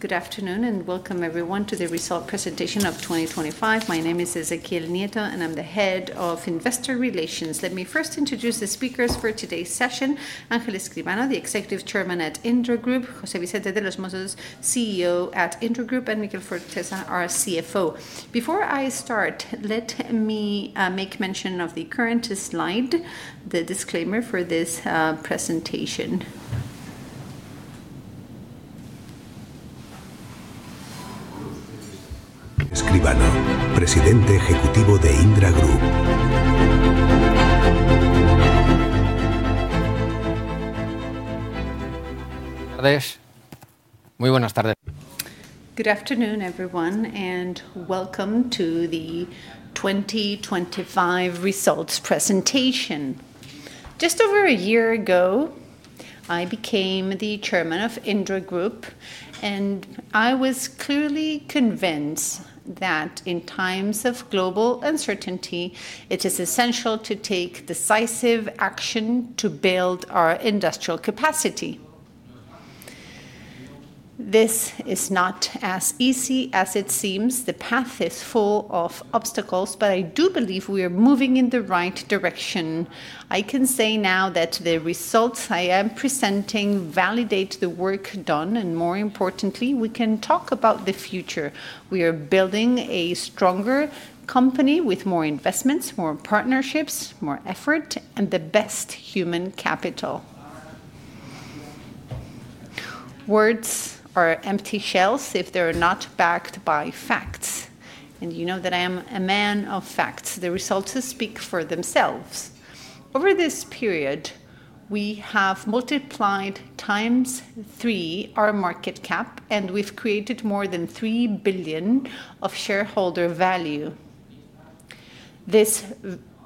Good afternoon, welcome everyone to the result presentation of 2025. My name is Ezequiel Nieto, and I'm the Head of Investor Relations. Let me first introduce the speakers for today's session: Ángel Escribano, the Executive Chairman at Indra Group; José Vicente de los Mozos, CEO at Indra Group; and Miguel Forteza, our CFO. Before I start, let me make mention of the current slide, the disclaimer for this presentation. Escribano, Presidente Ejecutivo de Indra Group. Buenas tardes. Muy buenas tardes. Good afternoon, everyone, welcome to the 2025 results presentation. Just over a year ago, I became the Chairman of Indra Group, I was clearly convinced that in times of global uncertainty, it is essential to take decisive action to build our industrial capacity. This is not as easy as it seems. The path is full of obstacles, I do believe we are moving in the right direction. I can say now that the results I am presenting validate the work done, more importantly, we can talk about the future. We are building a stronger company with more investments, more partnerships, more effort, and the best human capital. Words are empty shells if they're not backed by facts, you know that I am a man of facts. The results speak for themselves. Over this period, we have multiplied times three our market cap, and we've created more than 3 billion of shareholder value. This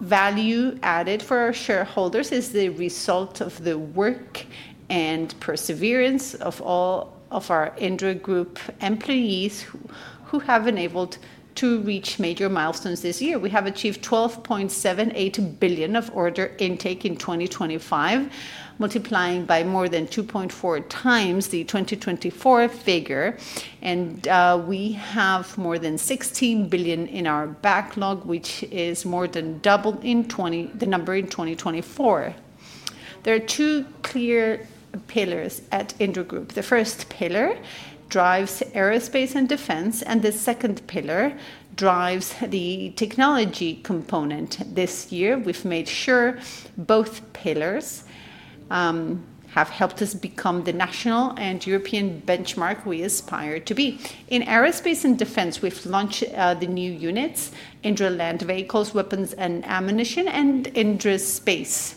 value added for our shareholders is the result of the work and perseverance of all of our Indra Group employees, who have enabled to reach major milestones this year. We have achieved 12.78 billion of order intake in 2025, multiplying by more than 2.4 times the 2024 figure, and we have more than 16 billion in our backlog, which is more than double the number in 2024. There are two clear pillars at Indra Group. The first pillar drives aerospace and defense, and the second pillar drives the technology component. This year, we've made sure both pillars have helped us become the national and European benchmark we aspire to be. In aerospace and defense, we've launched the new units, Indra Land Vehicles, Weapons and Ammunition, and Indra Space.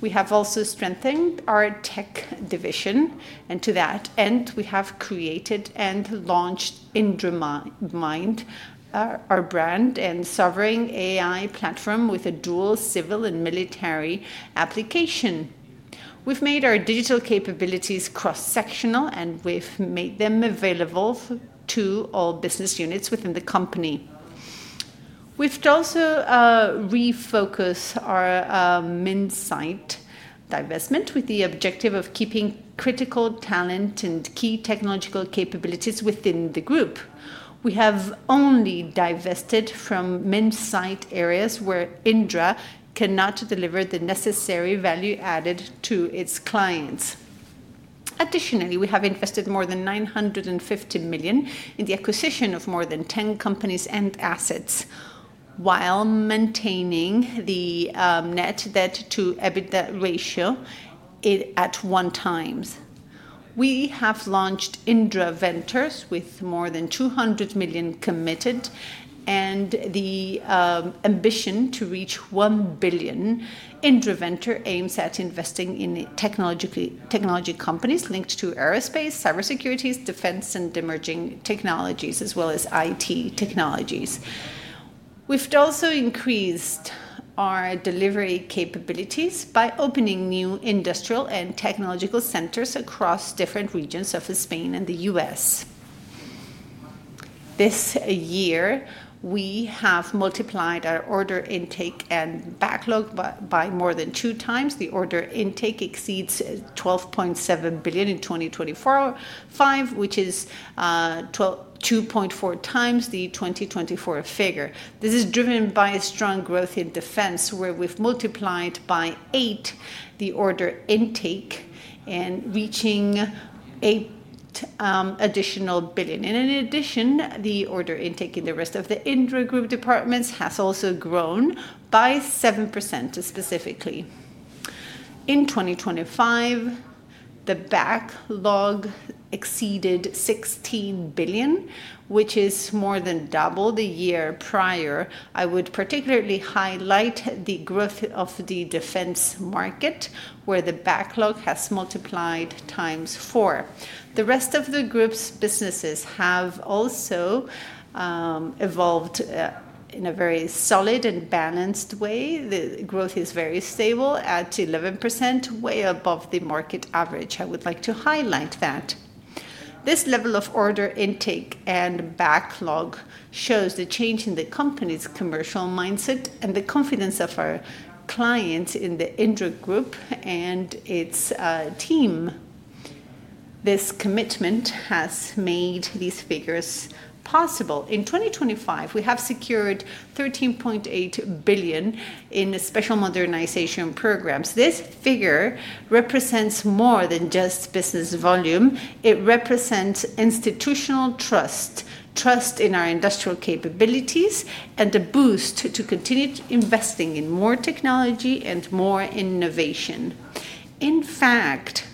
We have also strengthened our tech division, and to that end, we have created and launched IndraMind, our brand and sovereign AI platform with a dual civil and military application. We've made our digital capabilities cross-sectional, and we've made them available to all business units within the company. We've also refocused our Minsait divestment with the objective of keeping critical talent and key technological capabilities within the group. We have only divested from Minsait areas where Indra cannot deliver the necessary value added to its clients. Additionally, we have invested more than 950 million in the acquisition of more than 10 companies and assets, while maintaining the net debt to EBITDA ratio at one time. We have launched Indra Ventures with more than 200 million committed and the ambition to reach 1 billion. Indra Ventures aims at investing in technology companies linked to aerospace, cybersecurity, defense, and emerging technologies, as well as IT technologies. We've also increased our delivery capabilities by opening new industrial and technological centers across different regions of Spain and the U.S. This year, we have multiplied our order intake and backlog by more than two times. The order intake exceeds 12.7 billion in 2025, which is 2.4 times the 2024 figure. This is driven by a strong growth in defense, where we've multiplied by eight the order intake and reaching eight additional billion. In addition, the order intake in the rest of the Indra Group departments has also grown by 7% specifically. In 2025, the backlog exceeded 16 billion, which is more than double the year prior. I would particularly highlight the growth of the defense market, where the backlog has multiplied four times. The rest of the Group's businesses have also evolved in a very solid and balanced way. The growth is very stable at 11%, way above the market average. I would like to highlight that. This level of order intake and backlog shows the change in the company's commercial mindset and the confidence of our clients in the Indra Group and its team. This commitment has made these figures possible. In 2025, we have secured 13.8 billion in special modernization programs. This figure represents more than just business volume, it represents institutional trust in our industrial capabilities, and a boost to continue investing in more technology and more innovation. In fact,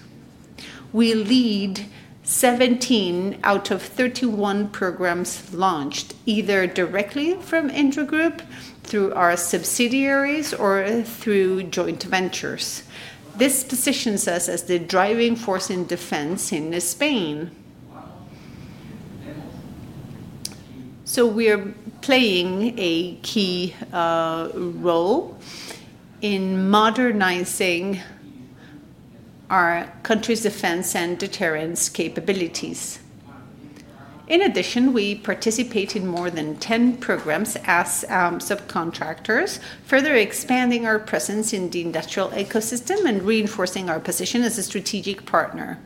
we lead 17 out of 31 programs launched, either directly from Indra Group, through our subsidiaries, or through joint ventures. This positions us as the driving force in defense in Spain. We are playing a key role in modernizing our country's defense and deterrence capabilities. In addition, we participate in more than 10 programs as subcontractors, further expanding our presence in the industrial ecosystem and reinforcing our position as a strategic partner.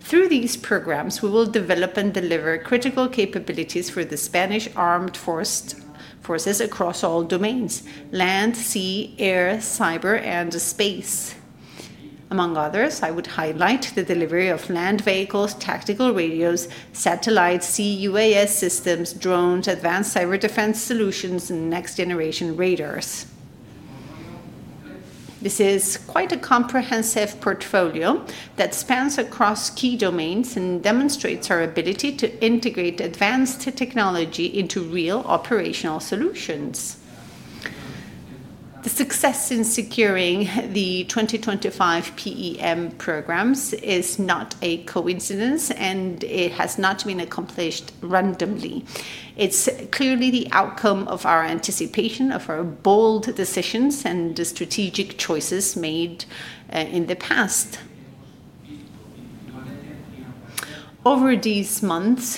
Through these programs, we will develop and deliver critical capabilities for the Spanish Armed Forces across all domains: land, sea, air, cyber, and space. Among others, I would highlight the delivery of land vehicles, tactical radios, satellites, CUAS systems, drones, advanced cyber defense solutions, and next-generation radars. This is quite a comprehensive portfolio that spans across key domains and demonstrates our ability to integrate advanced technology into real operational solutions. The success in securing the 2025 PEM programs is not a coincidence, and it has not been accomplished randomly. It's clearly the outcome of our anticipation, of our bold decisions, and the strategic choices made in the past. Over these months,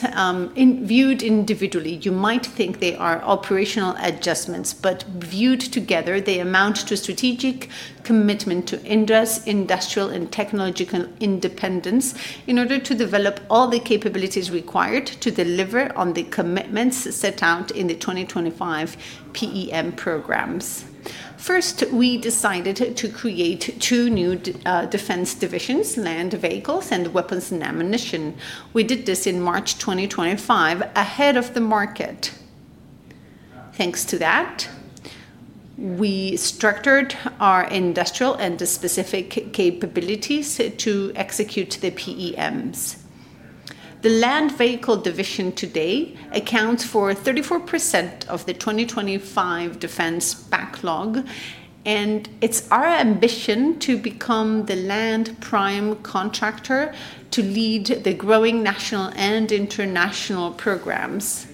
viewed individually, you might think they are operational adjustments, but viewed together, they amount to strategic commitment to Industrial and Technological Independence in order to develop all the capabilities required to deliver on the commitments set out in the 2025 PEM programs. First, we decided to create two new defense divisions, Land Vehicles and Weapons and Ammunition. We did this in March 2025, ahead of the market. Thanks to that, we structured our industrial and the specific capabilities to execute the PEMs. The Land Vehicle Division today accounts for 34% of the 2025 defense backlog, and it's our ambition to become the land prime contractor to lead the growing national and international programs.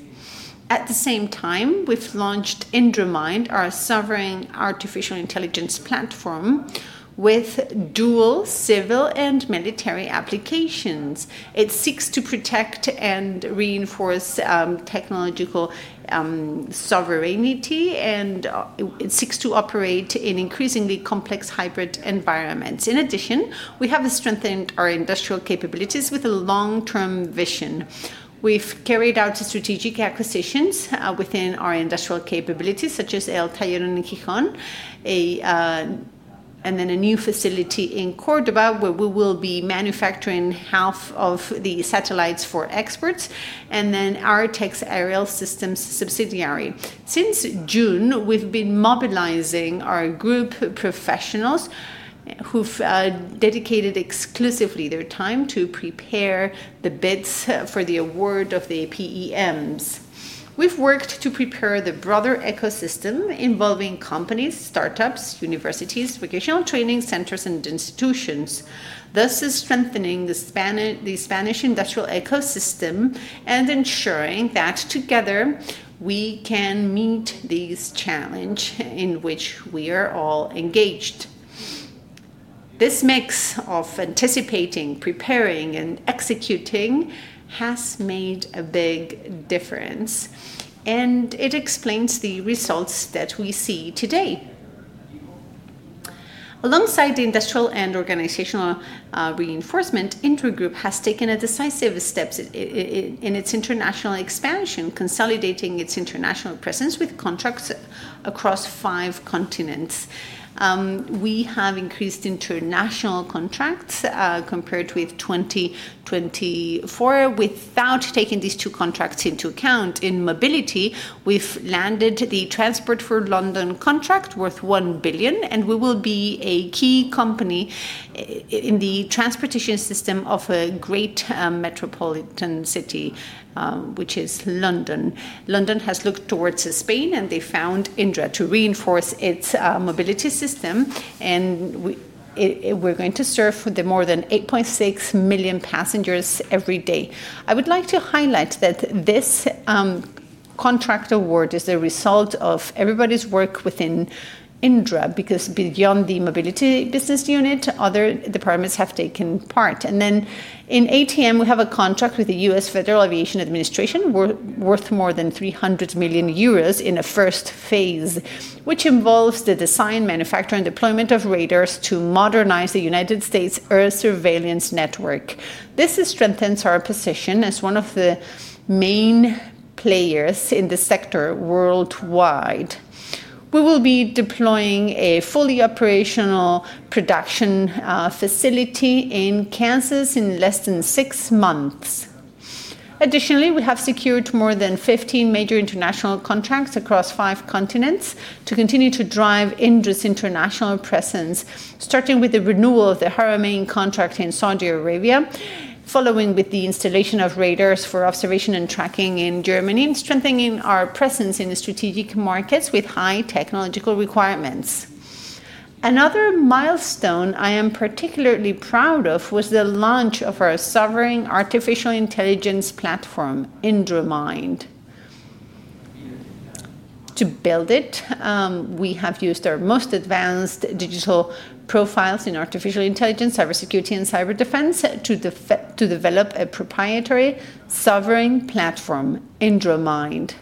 At the same time, we've launched IndraMind, our sovereign artificial intelligence platform, with dual civil and military applications. It seeks to protect and reinforce technological sovereignty, and it seeks to operate in increasingly complex hybrid environments. In addition, we have strengthened our industrial capabilities with a long-term vision. We've carried out strategic acquisitions within our industrial capabilities, such as El Tallerón, and then a new facility in Córdoba, where we will be manufacturing half of the satellites for experts, and then our Texpaer subsidiary. Since June, we've been mobilizing our group professionals, who've dedicated exclusively their time to prepare the bids for the award of the PEMs. We've worked to prepare the broader ecosystem, involving companies, startups, universities, vocational training centers, and institutions, thus is strengthening the Spanish industrial ecosystem and ensuring that together we can meet this challenge in which we are all engaged. This mix of anticipating, preparing, and executing has made a big difference, it explains the results that we see today. Alongside the industrial and organizational reinforcement, Indra Group has taken decisive steps in its international expansion, consolidating its international presence with contracts across five continents. We have increased international contracts compared with 2024, without taking these two contracts into account. In mobility, we've landed the Transport for London contract, worth 1 billion, we will be a key company in the transportation system of a great metropolitan city, which is London. London has looked towards Spain, and they found Indra to reinforce its mobility system, we're going to serve the more than 8.6 million passengers every day. I would like to highlight that this contract award is the result of everybody's work within Indra, because beyond the mobility business unit, other departments have taken part. In ATM, we have a contract with the US Federal Aviation Administration, worth more than 300 million euros in a first phase, which involves the design, manufacture, and deployment of radars to modernize the United States Air Surveillance Network. This strengthens our position as one of the main players in the sector worldwide. We will be deploying a fully operational production facility in Kansas in less than six months. Additionally, we have secured more than 15 major international contracts across five continents to continue to drive Indra's international presence, starting with the renewal of the Haramain contract in Saudi Arabia, following with the installation of radars for observation and tracking in Germany, and strengthening our presence in the strategic markets with high technological requirements. Another milestone I am particularly proud of was the launch of our Sovereign Artificial Intelligence platform, IndraMind. To build it, we have used our most advanced digital profiles in artificial intelligence, cybersecurity, and cyber defense to develop a proprietary sovereign platform, IndraMind.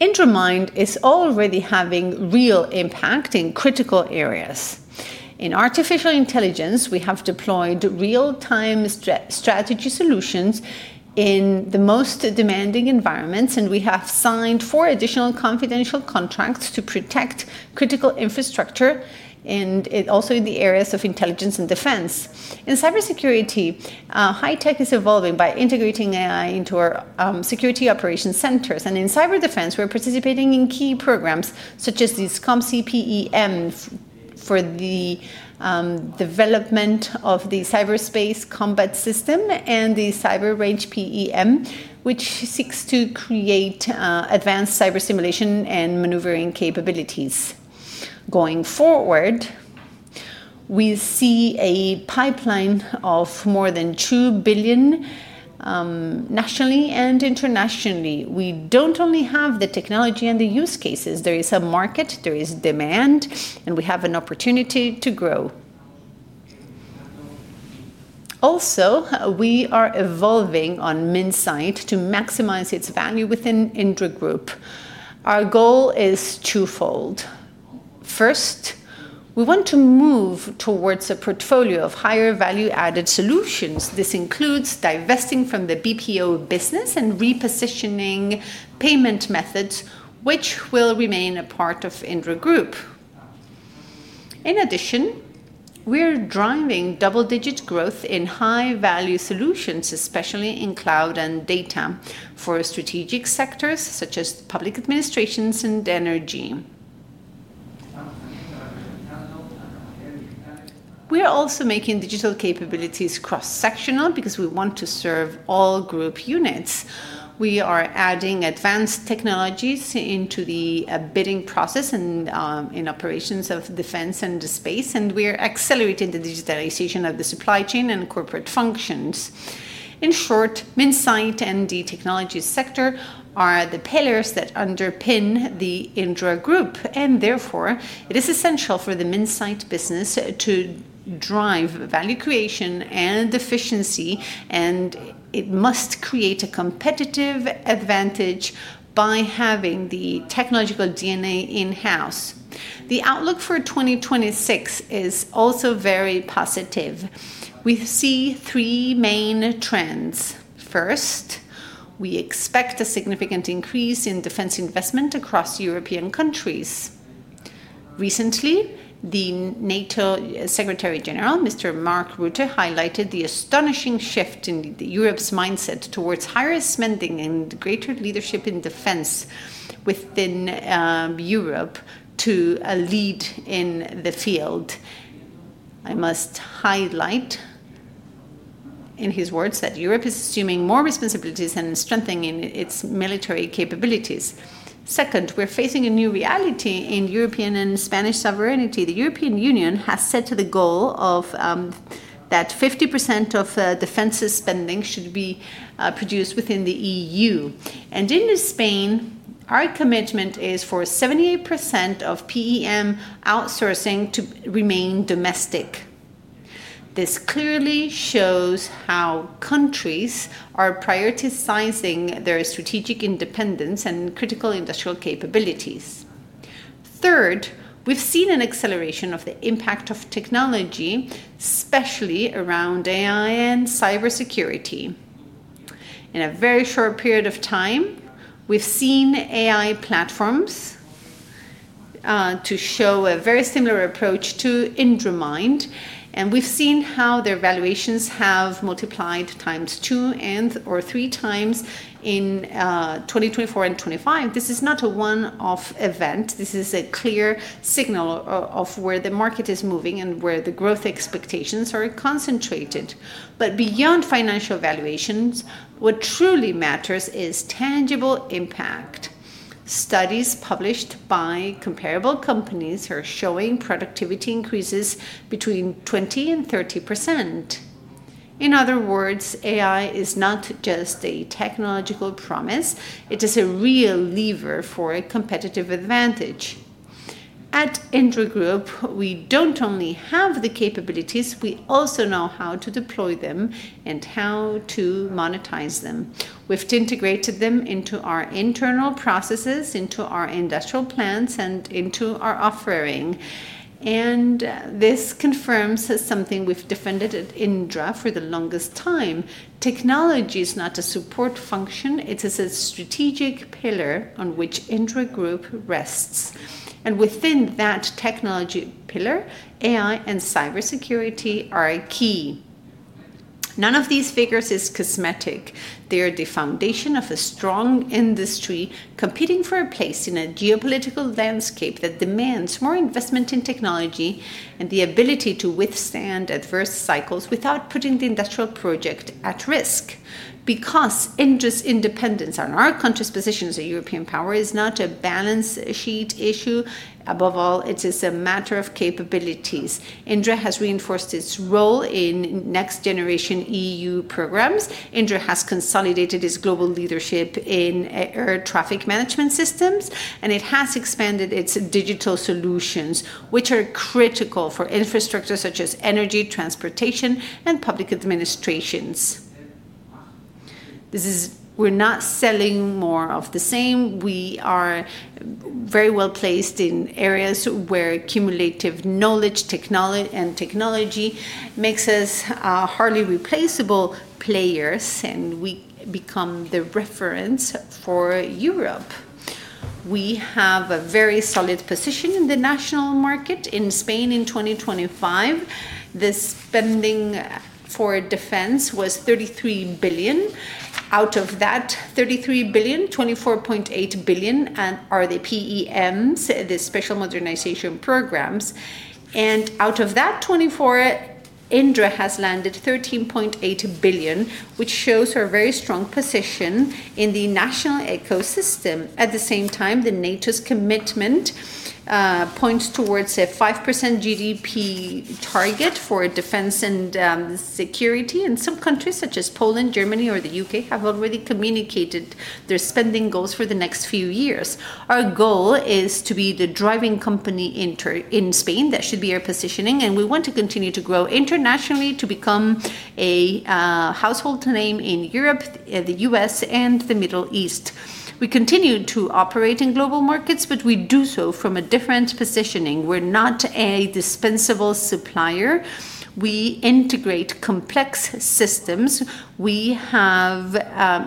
IndraMind is already having real impact in critical areas. In artificial intelligence, we have deployed real-time strategy solutions in the most demanding environments, and we have signed four additional confidential contracts to protect critical infrastructure, and it also in the areas of intelligence and defense. In cybersecurity, high tech is evolving by integrating AI into our security operations centers. In cyber defense, we're participating in key programs such as the SCOMBA for the development of the cyberspace combat system and the Cyber Range PEM, which seeks to create advanced cyber simulation and maneuvering capabilities. Going forward, we see a pipeline of more than 2 billion nationally and internationally. We don't only have the technology and the use cases, there is a market, there is demand, and we have an opportunity to grow. We are evolving on Minsait to maximize its value within Indra Group. Our goal is twofold. First, we want to move towards a portfolio of higher value-added solutions. This includes divesting from the BPO business and repositioning payment methods, which will remain a part of Indra Group. In addition, we're driving double-digit growth in high-value solutions, especially in cloud and data for strategic sectors such as public administrations and energy. We are also making digital capabilities cross-sectional because we want to serve all group units. We are adding advanced technologies into the bidding process and in operations of defense and space, and we are accelerating the digitalization of the supply chain and corporate functions. In short, Minsait and the technology sector are the pillars that underpin the Indra Group, and therefore, it is essential for the Minsait business to drive value creation and efficiency, and it must create a competitive advantage by having the technological DNA in-house. The outlook for 2026 is also very positive. We see three main trends. First, we expect a significant increase in defense investment across European countries. Recently, the NATO Secretary General, Mr. Mark Rutte, highlighted the astonishing shift in the Europe's mindset towards higher spending and greater leadership in defense within Europe to a lead in the field. I must highlight, in his words, that Europe is assuming more responsibilities and strengthening its military capabilities. Second, we're facing a new reality in European and Spanish sovereignty. The European Union has set to the goal of that 50% of defense spending should be produced within the EU. In Spain, our commitment is for 78% of PEM outsourcing to remain domestic. This clearly shows how countries are prioritizing their strategic independence and critical industrial capabilities. Third, we've seen an acceleration of the impact of technology, especially around AI and cybersecurity. In a very short period of time, we've seen AI platforms to show a very similar approach to IndraMind, and we've seen how their valuations have multiplied times two and or three times in 2024 and 2025. This is not a one-off event. This is a clear signal of where the market is moving and where the growth expectations are concentrated. Beyond financial valuations, what truly matters is tangible impact. Studies published by comparable companies are showing productivity increases between 20% and 30%. In other words, AI is not just a technological promise, it is a real lever for a competitive advantage. At Indra Group, we don't only have the capabilities, we also know how to deploy them and how to monetize them. We've integrated them into our internal processes, into our industrial plants, and into our offering. This confirms something we've defended at Indra for the longest time: technology is not a support function, it is a strategic pillar on which Indra Group rests. Within that technology pillar, AI and cybersecurity are key. None of these figures is cosmetic. They are the foundation of a strong industry competing for a place in a geopolitical landscape that demands more investment in technology and the ability to withstand adverse cycles without putting the industrial project at risk. Indra's independence and our country's position as a European power is not a balance sheet issue. Above all, it is a matter of capabilities. Indra has reinforced its role in next-generation EU programs. Indra has consolidated its global leadership in air traffic management systems, and it has expanded its digital solutions, which are critical for infrastructure such as energy, transportation, and public administrations. We're not selling more of the same. We are very well-placed in areas where cumulative knowledge, technology makes us hardly replaceable players, and we become the reference for Europe. We have a very solid position in the national market. In Spain, in 2025, the spending for defense was 33 billion. Out of that 33 billion, 24.8 billion are the PEMs, the special modernization programs, and out of that 24 billion, Indra has landed 13.8 billion, which shows our very strong position in the national ecosystem. At the same time, NATO's commitment points towards a 5% GDP target for defense and security. Some countries, such as Poland, Germany, or the UK, have already communicated their spending goals for the next few years. Our goal is to be the driving company in Spain. That should be our positioning. We want to continue to grow internationally to become a household name in Europe, the US, and the Middle East. We continue to operate in global markets. We do so from a different positioning. We're not a dispensable supplier. We integrate complex systems, we have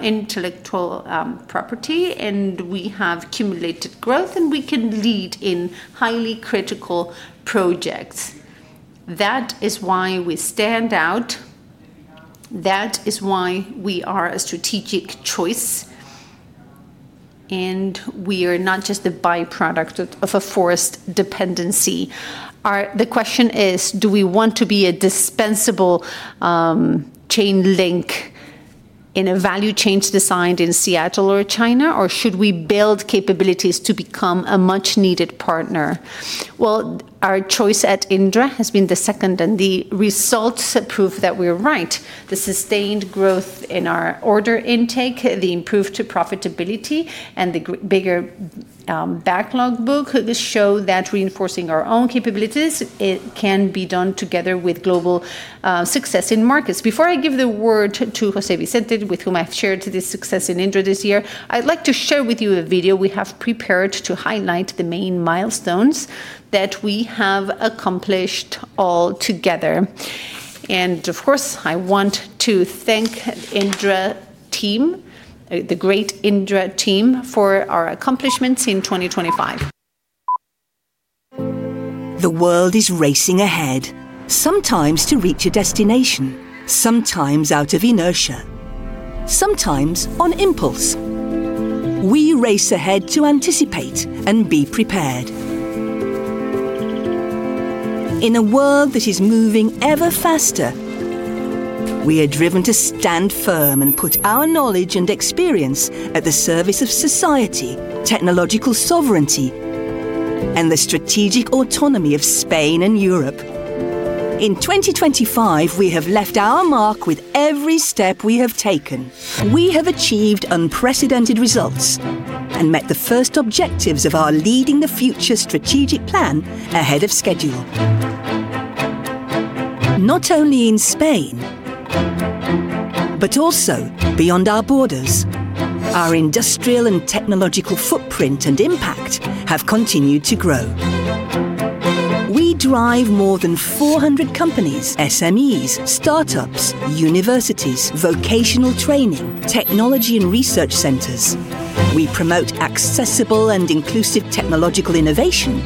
intellectual property, and we have cumulative growth, and we can lead in highly critical projects. That is why we stand out. That is why we are a strategic choice. We are not just a by-product of a forced dependency. Our... The question is: Do we want to be a dispensable chain link in a value chain designed in Seattle or China, or should we build capabilities to become a much-needed partner? Well, our choice at Indra has been the second, and the results prove that we're right. The sustained growth in our order intake, the improved profitability, and the bigger backlog book, this show that reinforcing our own capabilities, it can be done together with global success in markets. Before I give the word to José Vicente, with whom I've shared this success in Indra this year, I'd like to share with you a video we have prepared to highlight the main milestones that we have accomplished all together. Of course, I want to thank Indra team, the great Indra team, for our accomplishments in 2025. The world is racing ahead, sometimes to reach a destination, sometimes out of inertia, sometimes on impulse. We race ahead to anticipate and be prepared. In a world that is moving ever faster, we are driven to stand firm and put our knowledge and experience at the service of society, technological sovereignty, and the strategic autonomy of Spain and Europe. In 2025, we have left our mark with every step we have taken. We have achieved unprecedented results and met the first objectives of our Leading the Future strategic plan ahead of schedule. Not only in Spain, but also beyond our borders, our industrial and technological footprint and impact have continued to grow. We drive more than 400 companies, SMEs, startups, universities, vocational training, technology and research centers. We promote accessible and inclusive technological innovation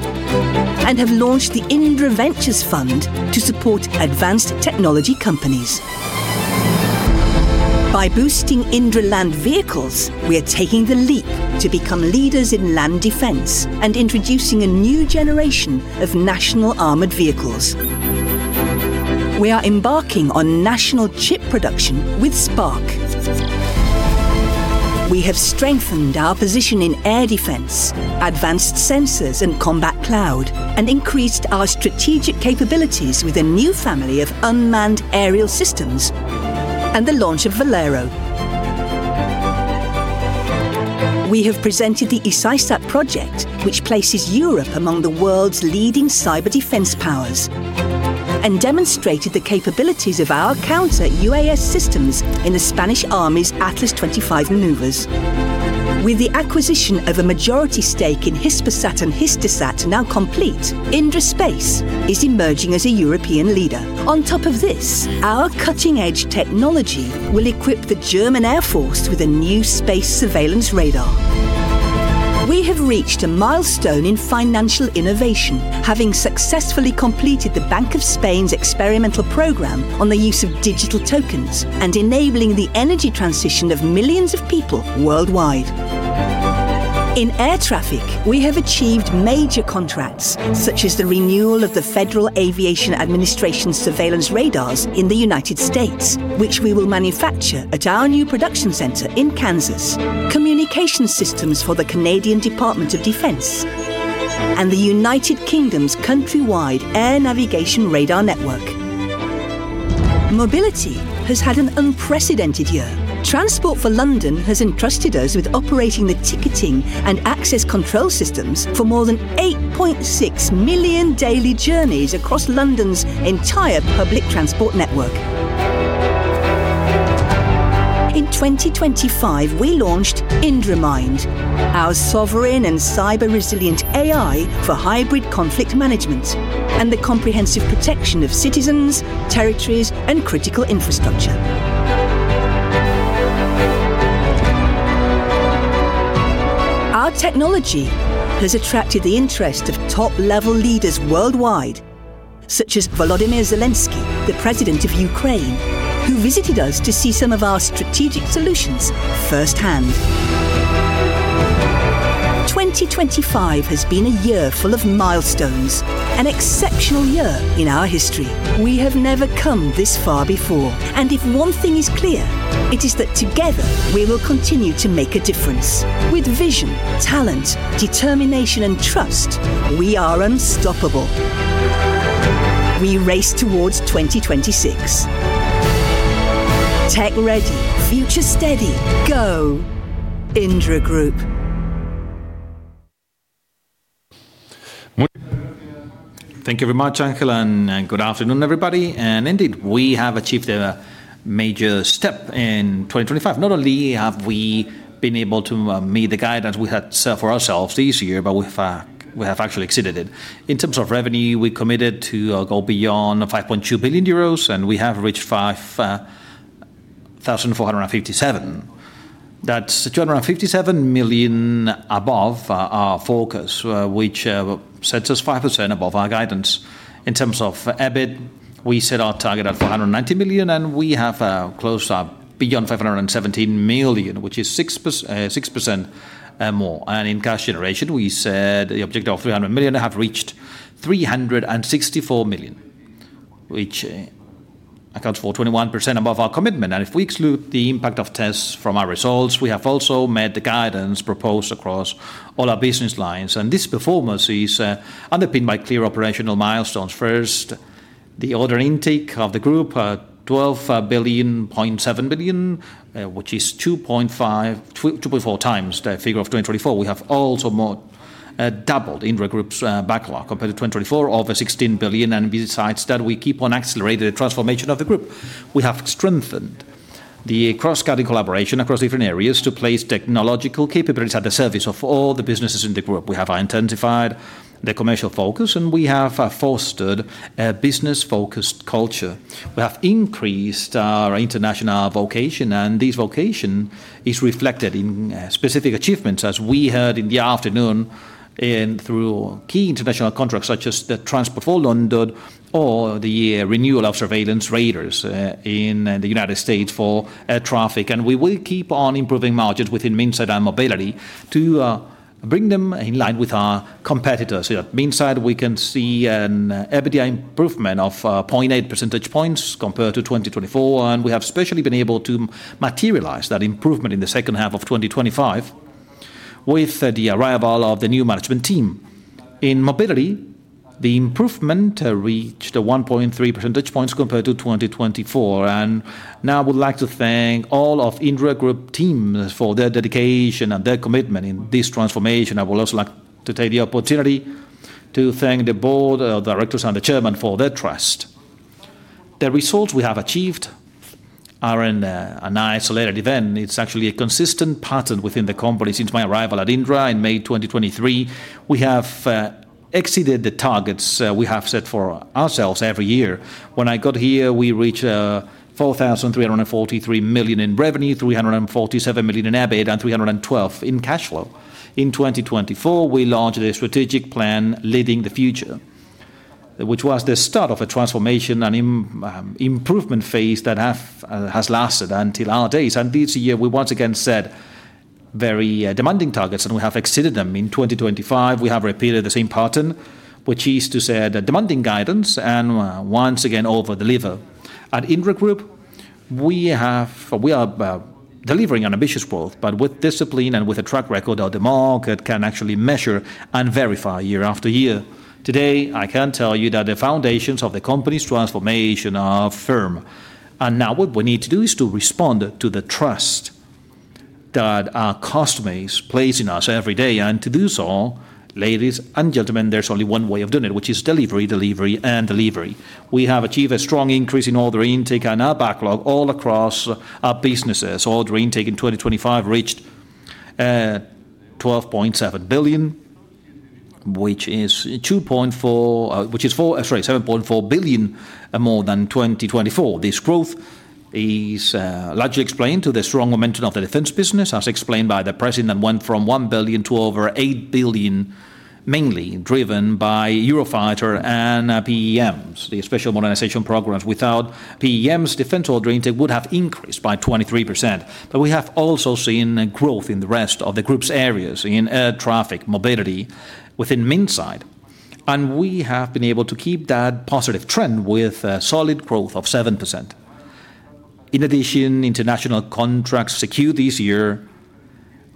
and have launched the Indra Ventures fund to support advanced technology companies. By boosting Indra Land Vehicles, we are taking the leap to become leaders in land defense and introducing a new generation of national armored vehicles. We are embarking on national chip production with Spain P-Foundry. We have strengthened our position in air defense, advanced sensors and combat cloud, and increased our strategic capabilities with a new family of unmanned aerial systems and the launch of VALERO. We have presented the ECYSAP project, which places Europe among the world's leading cyber defense powers, and demonstrated the capabilities of our counter UAS systems in the Spanish Army's Atlas 25 maneuvers. With the acquisition of a majority stake in Hispasat and Hispasat now complete, Indra Space is emerging as a European leader. On top of this, our cutting-edge technology will equip the German Air Force with a new space surveillance radar. We have reached a milestone in financial innovation, having successfully completed the Bank of Spain's experimental program on the use of digital tokens and enabling the energy transition of millions of people worldwide. In air traffic, we have achieved major contracts, such as the renewal of the Federal Aviation Administration surveillance radars in the United States, which we will manufacture at our new production center in Kansas. Communication systems for the Department of National Defence and the United Kingdom's countrywide air navigation radar network. Mobility has had an unprecedented year. Transport for London has entrusted us with operating the ticketing and access control systems for more than 8.6 million daily journeys across London's entire public transport network. In 2025, we launched IndraMind, our sovereign and cyber-resilient AI for hybrid conflict management and the comprehensive protection of citizens, territories, and critical infrastructure. Our technology has attracted the interest of top-level leaders worldwide, such as Volodymyr Zelenskyy, the president of Ukraine, who visited us to see some of our strategic solutions firsthand. 2025 has been a year full of milestones, an exceptional year in our history. We have never come this far before, and if one thing is clear, it is that together we will continue to make a difference. With vision, talent, determination, and trust, we are unstoppable. We race towards 2026. Tech ready, future steady, go, Indra Group. Thank you very much, Ángel Escribano, and good afternoon, everybody. Indeed, we have achieved a major step in 2025. Not only have we been able to meet the guidance we had set for ourselves this year, we have actually exceeded it. In terms of revenue, we committed to go beyond 5.2 billion euros, we have reached 5,457. That's 257 million above our focus, which sets us 5% above our guidance. In terms of EBIT, we set our target at 490 million, we have closed up beyond 517 million, which is 6% more. In cash generation, we said the objective of 300 million, and have reached 364 million, which accounts for 21% above our commitment. If we exclude the impact of Tess from our results, we have also met the guidance proposed across all our business lines, and this performance is underpinned by clear operational milestones. First, the order intake of the group, 12.7 billion, which is 2.4 times the figure of 2024. We have also doubled Indra Group's backlog compared to 2024 over 16 billion. Besides that, we keep on accelerating the transformation of the group. We have strengthened the cross-cutting collaboration across different areas to place technological capabilities at the service of all the businesses in the group. We have intensified the commercial focus, and we have fostered a business-focused culture. We have increased our international vocation, and this vocation is reflected in specific achievements, as we heard in the afternoon, in through key international contracts, such as Transport for London or the renewal of surveillance radars in the United States for air traffic. We will keep on improving margins within Minsait and Mobility to bring them in line with our competitors. Yeah, Minsait, we can see an EBITDA improvement of 0.8 percentage points compared to 2024, and we have especially been able to materialize that improvement in the second half of 2025 with the arrival of the new management team. In Mobility, the improvement reached a 1.3 percentage points compared to 2024. Now I would like to thank all of Indra Group teams for their dedication and their commitment in this transformation. I would also like to take the opportunity to thank the board of directors and the chairman for their trust. The results we have achieved aren't an isolated event. It's actually a consistent pattern within the company since my arrival at Indra in May 2023. We have exceeded the targets we have set for ourselves every year. When I got here, we reached 4,343 million in revenue, 347 million in EBIT, and 312 in cash flow. In 2024, we launched a strategic plan, Leading the Future, which was the start of a transformation and improvement phase that has lasted until our days. This year, we once again. very demanding targets, and we have exceeded them. In 2025, we have repeated the same pattern, which is to set a demanding guidance and once again, over-deliver. At Indra Group, we are delivering an ambitious growth, but with discipline and with a track record that the market can actually measure and verify year after year. Today, I can tell you that the foundations of the company's transformation are firm. Now what we need to do is to respond to the trust that our customers place in us every day. To do so, ladies and gentlemen, there's only one way of doing it, which is delivery, and delivery. We have achieved a strong increase in order intake and our backlog all across our businesses. Order intake in 2025 reached 12.7 billion, which is 7.4 billion more than 2024. This growth is largely explained to the strong momentum of the defense business, as explained by the President, went from 1 billion to over 8 billion, mainly driven by Eurofighter and PEMs, the Special Modernization Programs. Without PEMs, defense order intake would have increased by 23%. We have also seen growth in the rest of the group's areas, in air traffic, mobility, within Minsait, and we have been able to keep that positive trend with a solid growth of 7%. In addition, international contracts secured this year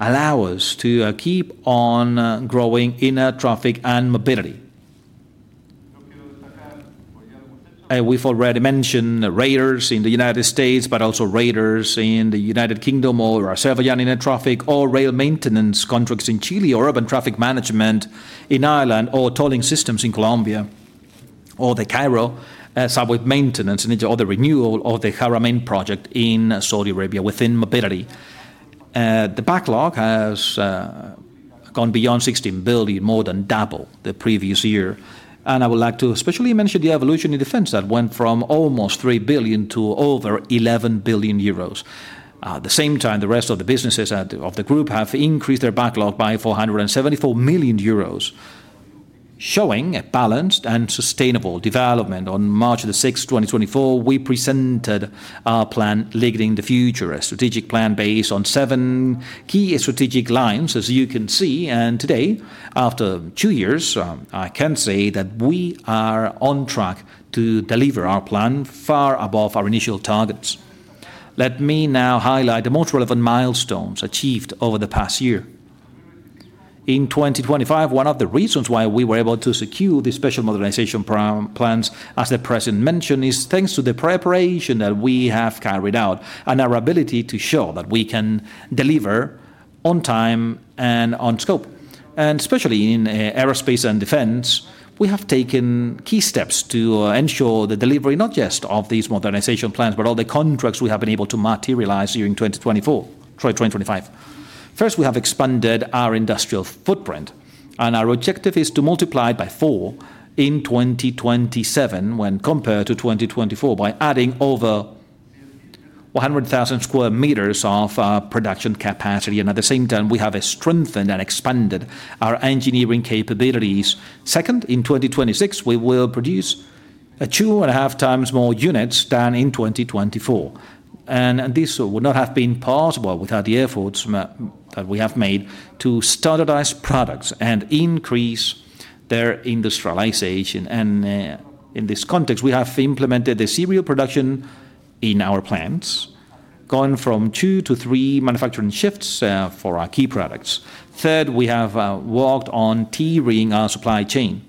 allow us to keep on growing in air traffic and mobility. We've already mentioned radars in the United States, but also radars in the United Kingdom or our civilian air traffic or rail maintenance contracts in Chile, or urban traffic management in Ireland, or tolling systems in Colombia, or the Cairo subway maintenance, and or the renewal of the Haramain project in Saudi Arabia within mobility. The backlog has gone beyond 16 billion, more than double the previous year. I would like to especially mention the evolution in defense that went from almost 3 billion to over 11 billion euros. At the same time, the rest of the businesses of the group have increased their backlog by 474 million euros, showing a balanced and sustainable development. On March the sixth, 2024, we presented our plan, Leading the Future, a strategic plan based on seven key strategic lines, as you can see. Today, after two years, I can say that we are on track to deliver our plan far above our initial targets. Let me now highlight the most relevant milestones achieved over the past year. In 2025, one of the reasons why we were able to secure the special modernization plans, as the president mentioned, is thanks to the preparation that we have carried out and our ability to show that we can deliver on time and on scope. Especially in aerospace and defense, we have taken key steps to ensure the delivery, not just of these modernization plans, but all the contracts we have been able to materialize during 2024, sorry, 2025. First, we have expanded our industrial footprint, and our objective is to multiply it by four in 2027 when compared to 2024, by adding over 100,000 square meters of production capacity. At the same time, we have strengthened and expanded our engineering capabilities. Second, in 2026, we will produce 2.5 times more units than in 2024, and this would not have been possible without the efforts that we have made to standardize products and increase their industrialization. In this context, we have implemented the serial production in our plants, going from two to three manufacturing shifts for our key products. Third, we have worked on tiering our supply chain.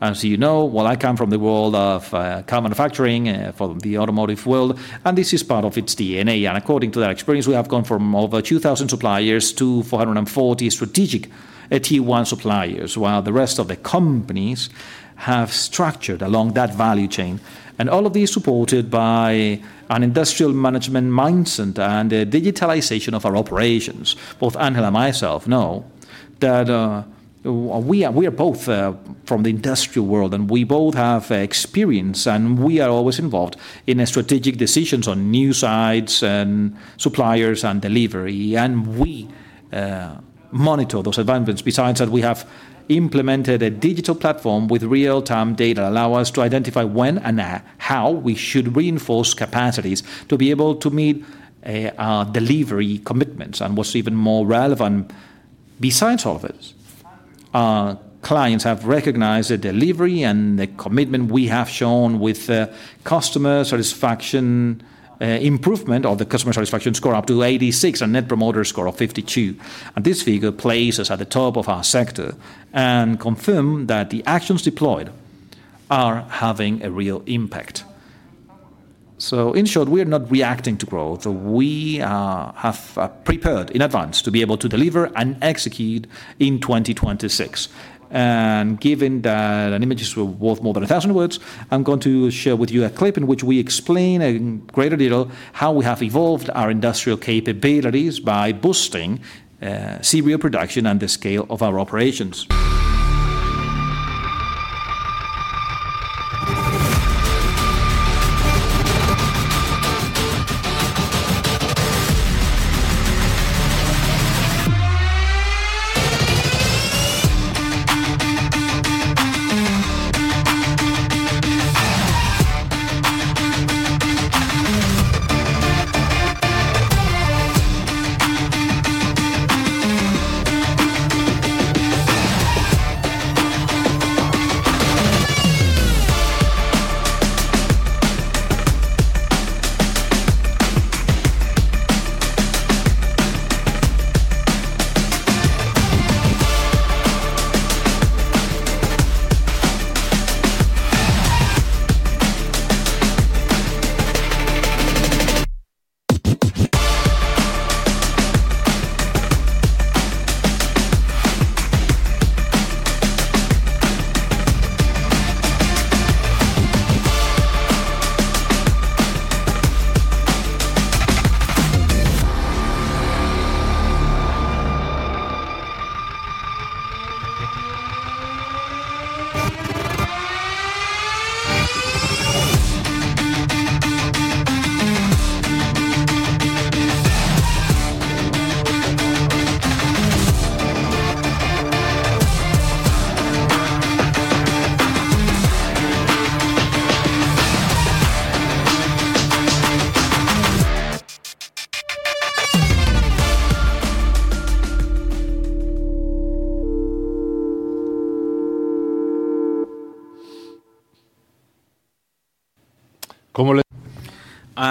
As you know, well, I come from the world of car manufacturing, from the automotive world, and this is part of its DNA. According to that experience, we have gone from over 2,000 suppliers to 440 strategic Tier 1 suppliers, while the rest of the companies have structured along that value chain. All of this supported by an industrial management mindset and a digitalization of our operations. Both Ángel and myself know that we are both from the industrial world, and we both have experience, and we are always involved in strategic decisions on new sites and suppliers and delivery, and we monitor those advancements. Besides that, we have implemented a digital platform with real-time data, allow us to identify when and how we should reinforce capacities to be able to meet our delivery commitments. What's even more relevant, besides all of it, our clients have recognized the delivery and the commitment we have shown with customer satisfaction, improvement of the customer satisfaction score up to 86, and Net Promoter Score of 52. This figure places us at the top of our sector and confirm that the actions deployed are having a real impact. In short, we are not reacting to growth. We have prepared in advance to be able to deliver and execute in 2026. Given that an image is worth more than 1,000 words, I'm going to share with you a clip in which we explain in greater detail how we have evolved our industrial capabilities by boosting serial production and the scale of our operations.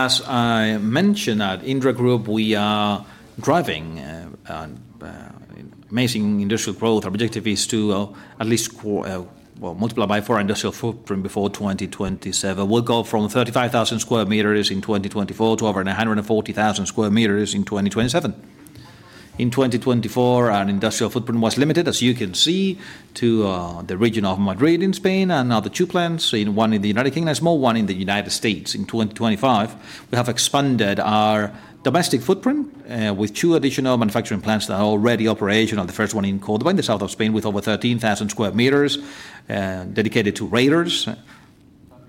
As I mentioned, at Indra Group, we are driving amazing industrial growth. Our objective is to at least multiply by four industrial footprint before 2027. We'll go from 35,000 square meters in 2024 to over 140,000 square meters in 2027. In 2024, our industrial footprint was limited, as you can see, to the region of Madrid in Spain and now the two plants, one in the United Kingdom, a small one in the United States. In 2025, we have expanded our domestic footprint with two additional manufacturing plants that are already operational. The first one in Córdoba, in the south of Spain, with over 13,000 square meters, dedicated to radars. Well,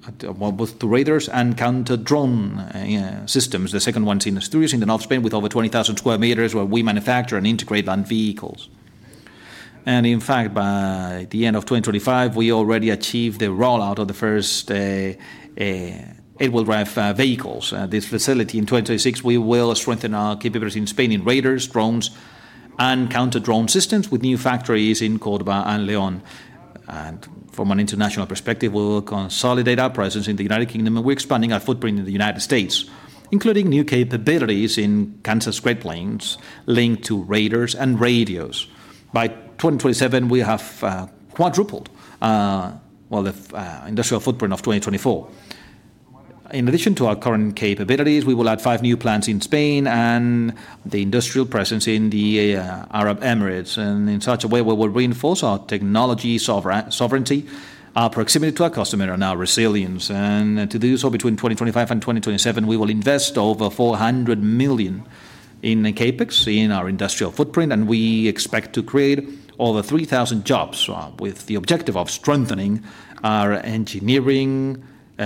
both to radars and counter-drone systems. The second one is in Asturias in the north of Spain, with over 20,000 square meters, where we manufacture and integrate land vehicles. By the end of 2025, we already achieved the rollout of the first eight wheel drive vehicles. This facility in 2026, we will strengthen our capabilities in Spain in radars, drones, and counter-drone systems with new factories in Córdoba and León. From an international perspective, we will consolidate our presence in the United Kingdom, and we're expanding our footprint in the United States, including new capabilities in Kansas Great Plains linked to radars and radios. By 2027, we have quadrupled the industrial footprint of 2024. In addition to our current capabilities, we will add five new plants in Spain and the industrial presence in the Arab Emirates, in such a way where we'll reinforce our technology sovereignty, our proximity to our customer, and our resilience. To do so, between 2025 and 2027, we will invest over 400 million in CapEx in our industrial footprint, and we expect to create over 3,000 jobs with the objective of strengthening our engineering,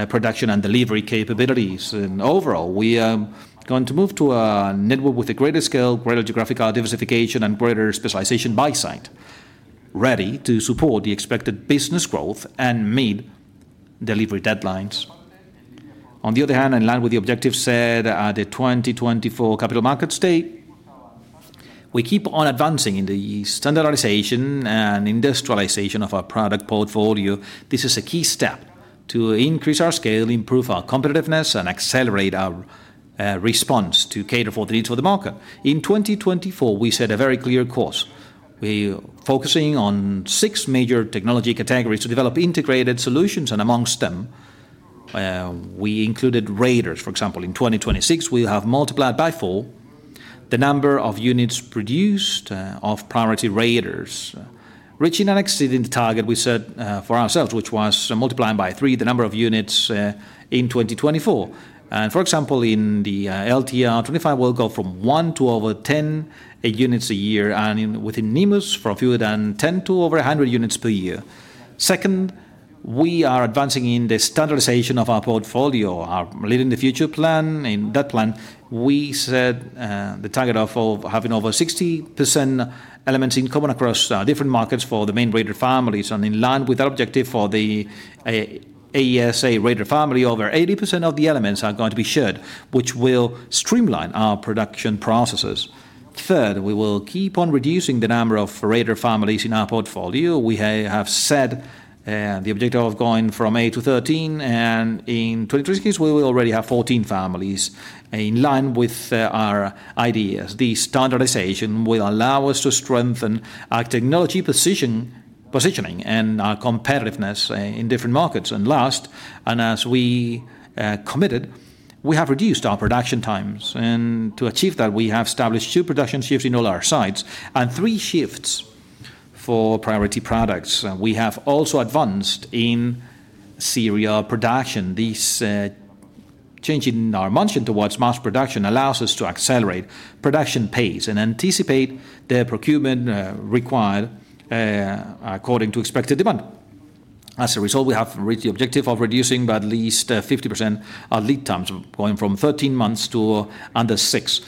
production, and delivery capabilities. Overall, we are going to move to a network with a greater scale, greater geographical diversification, and greater specialization by site, ready to support the expected business growth and meet delivery deadlines. On the other hand, in line with the objective set at the 2024 Capital Markets Day, we keep on advancing in the standardization and industrialization of our product portfolio. This is a key step to increase our scale, improve our competitiveness, and accelerate our response to cater for the needs of the market. In 2024, we set a very clear course. We're focusing on six major technology categories to develop integrated solutions, amongst them, we included radars. For example, in 2026, we have multiplied by four the number of units produced of priority radars, reaching and exceeding the target we set for ourselves, which was multiplying by three the number of units in 2024. For example, in the LTR-25, we'll go from one to over 10 units a year, and within Nemus, from fewer than 10 to over 100 units per year. Second, we are advancing in the standardization of our portfolio, our Leading the Future plan. In that plan, we set the target of having over 60% elements in common across different markets for the main radar families. In line with our objective for the AESA radar family, over 80% of the elements are going to be shared, which will streamline our production processes. Third, we will keep on reducing the number of radar families in our portfolio. We have set the objective of going from eight to 13, and in 2026, we will already have 14 families in line with our ideas. The standardization will allow us to strengthen our technology position, positioning, and our competitiveness in different markets. Last, as we committed, we have reduced our production times, and to achieve that, we have established two production shifts in all our sites and three shifts for priority products. We have also advanced in serial production. This change in our motion towards mass production allows us to accelerate production pace and anticipate the procurement required according to expected demand. As a result, we have reached the objective of reducing by at least 50% our lead times, going from 13 months to under six.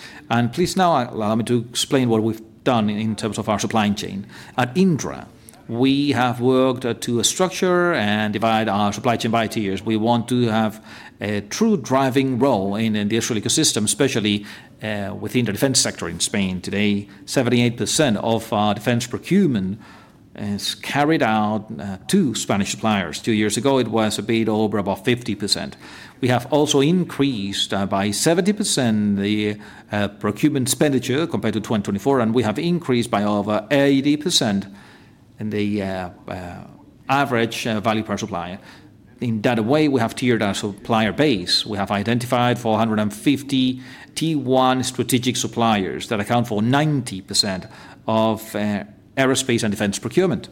Please now allow me to explain what we've done in terms of our supply chain. At Indra, we have worked to structure and divide our supply chain by tiers. We want to have a true driving role in industrial ecosystem, especially within the defense sector in Spain. Today, 78% of our defense procurement is carried out to Spanish suppliers. Two years ago, it was a bit over about 50%. We have also increased by 70% the procurement expenditure compared to 2024, we have increased by over 80% in the average value per supplier. In that way, we have tiered our supplier base. We have identified 450 tier one strategic suppliers that account for 90% of aerospace and defense procurement.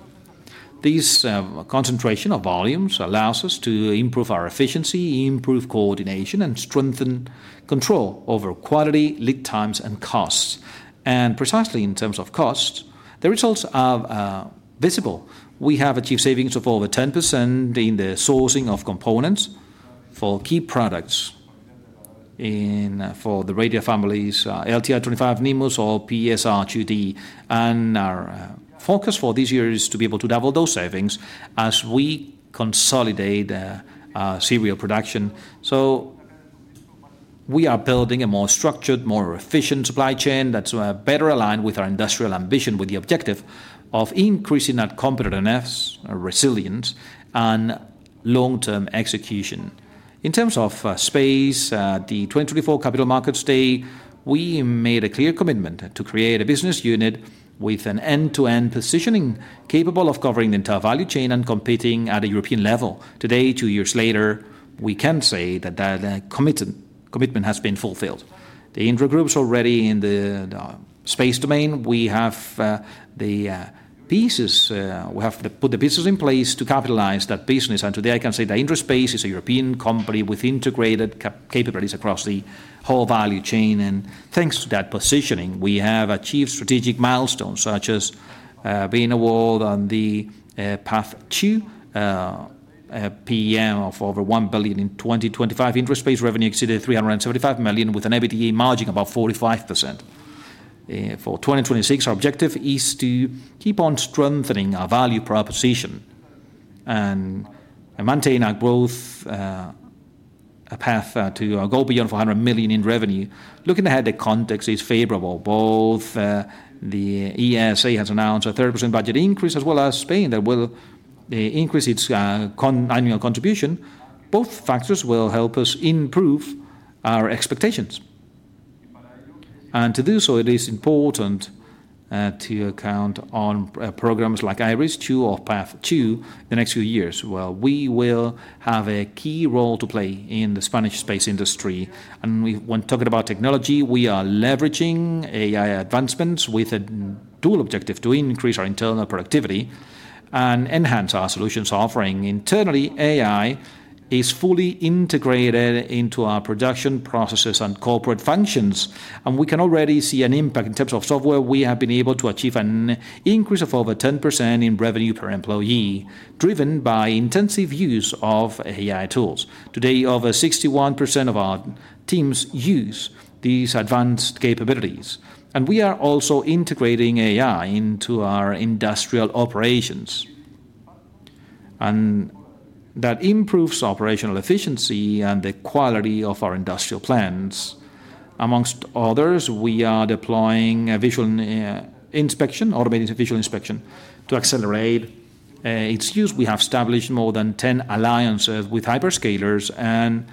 This concentration of volumes allows us to improve our efficiency, improve coordination, and strengthen control over quality, lead times, and costs. Precisely in terms of cost, the results are visible. We have achieved savings of over 10% in the sourcing of components for key products in for the radio families, LTR-25 NIMBUS or PSR-2D. Our focus for this year is to be able to double those savings as we consolidate serial production. We are building a more structured, more efficient supply chain that's better aligned with our industrial ambition, with the objective of increasing our competitiveness, our resilience, and long-term execution. In terms of space, the 2024 capital markets day, we made a clear commitment to create a business unit with an end-to-end positioning, capable of covering the entire value chain and competing at a European level. Today, two years later, we can say that commitment has been fulfilled. The Indra Group's already in the space domain. We have the pieces, we have put the pieces in place to capitalize that business. Today, I can say that Indra Space is a European company with integrated capabilities across the whole value chain, and thanks to that positioning, we have achieved strategic milestones, such as being awarded on the Paz-2 of over 1 billion in 2025. Indra Space revenue exceeded 375 million, with an EBITDA margin of about 45%. For 2026, our objective is to keep on strengthening our value proposition and maintain our growth path to or go beyond 400 million in revenue. Looking ahead, the context is favorable. Both, the ESA has announced a 30% budget increase, as well as Spain, that will increase its annual contribution. Both factors will help us improve our expectations. To do so, it is important to count on programs like IRIS2 or Path Two the next few years, where we will have a key role to play in the Spanish space industry. We when talking about technology, we are leveraging AI advancements with a dual objective: to increase our internal productivity and enhance our solutions offering. Internally, AI is fully integrated into our production processes and corporate functions, and we can already see an impact. In terms of software, we have been able to achieve an increase of over 10% in revenue per employee, driven by intensive use of AI tools. Today, over 61% of our teams use these advanced capabilities. We are also integrating AI into our industrial operations, that improves operational efficiency and the quality of our industrial plans. Amongst others, we are deploying automated visual inspection to accelerate its use. We have established more than 10 alliances with hyperscalers and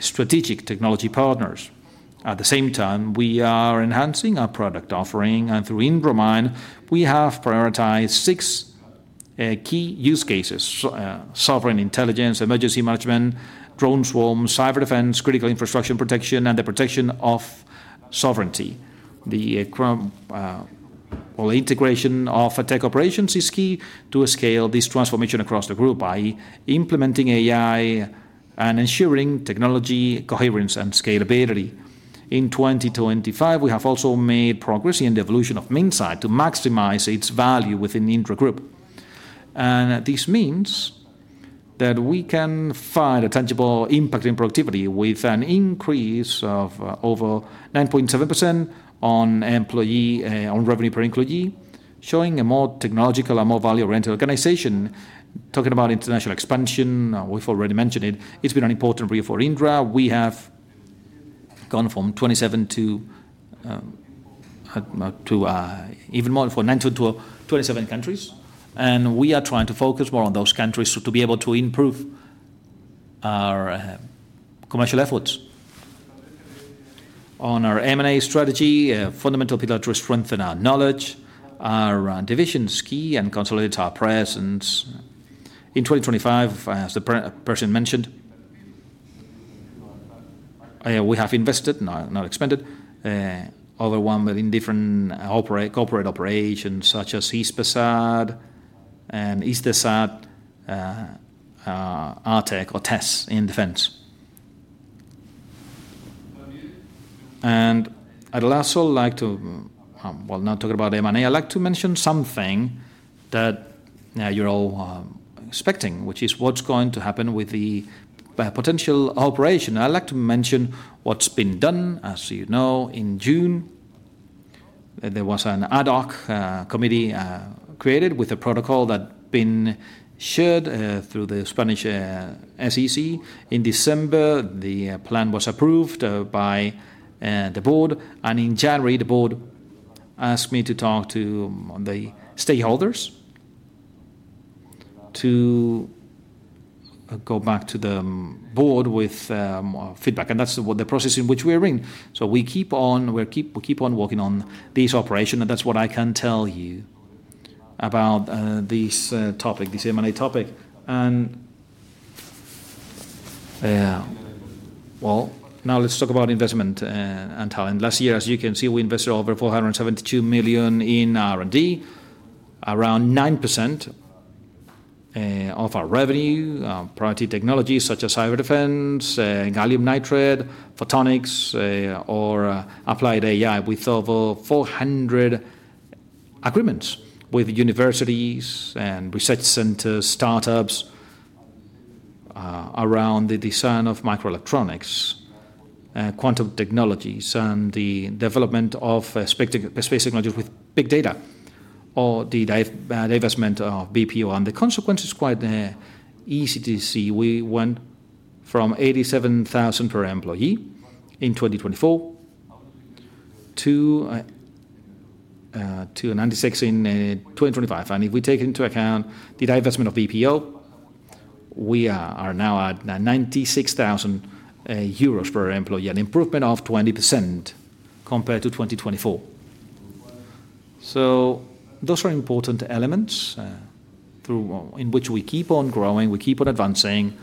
strategic technology partners. At the same time, we are enhancing our product offering. Through IndraMind, we have prioritized six key use cases: sovereign intelligence, emergency management, drone swarm, cyber defense, critical infrastructure protection, and the protection of sovereignty. Well, integration of tech operations is key to scale this transformation across the Group by implementing AI and ensuring technology coherence and scalability. In 2025, we have also made progress in the evolution of Minsait to maximize its value within the Indra Group. This means that we can find a tangible impact in productivity with an increase of over 9.7% on employee on revenue per employee, showing a more technological and more value-oriented organization. Talking about international expansion, we've already mentioned it. It's been an important area for Indra. We have gone from 27 to even more, from 19 to 27 countries, and we are trying to focus more on those countries to be able to improve our commercial efforts. On our M&A strategy, a fundamental pillar to strengthen our knowledge, our division is key, and consolidate our presence. In 2025, as the person mentioned, we have invested, not expanded, other one within different corporate operations, such as Hispasat and Eutelsat, Artec or Tess in defense. I'd also like to, well, not talk about M&A, I'd like to mention something that now you're all expecting, which is what's going to happen with the potential operation. I'd like to mention what's been done. As you know, in June, there was an ad hoc committee created with a protocol that's been shared through the Spanish SEC. In December, the plan was approved by the board, and in January, the board asked me to talk to the stakeholders to go back to the board with feedback, and that's the process in which we're in. We keep on working on this operation, and that's what I can tell you about this topic, this M&A topic. Well, now let's talk about investment and talent. Last year, as you can see, we invested over 472 million in R&D, around 9% of our revenue, priority technologies such as cyber defense, gallium nitride, photonics, or applied AI. With over 400 agreements with universities and research centers, startups, around the design of microelectronics, quantum technologies, and the development of space technologies with big data or the divestment of BPO. The consequence is quite easy to see. We went from 87,000 per employee in 2024 to 96 in 2025. If we take into account the divestment of BPO, we are now at 96,000 euros per employee, an improvement of 20% compared to 2024. Those are important elements in which we keep on growing, we keep on advancing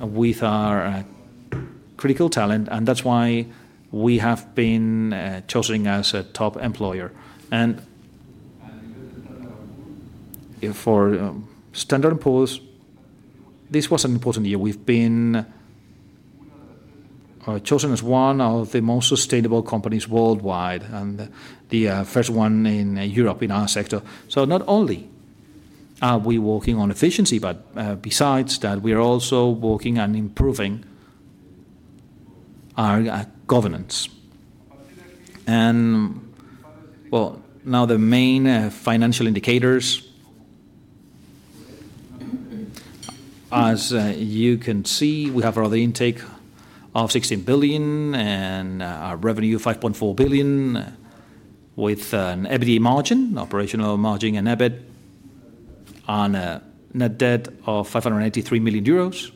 with our critical talent, and that's why we have been chosen as a top employer. For Standard & Poor's, this was an important year. We've been chosen as one of the most sustainable companies worldwide and the first one in Europe in our sector. Not only are we working on efficiency, but besides that, we are also working on improving our governance. Well, now the main financial indicators. As you can see, we have our intake of 16 billion and our revenue, 5.4 billion, with an EBITDA margin, operational margin and EBIT on a net debt of 583 million euros.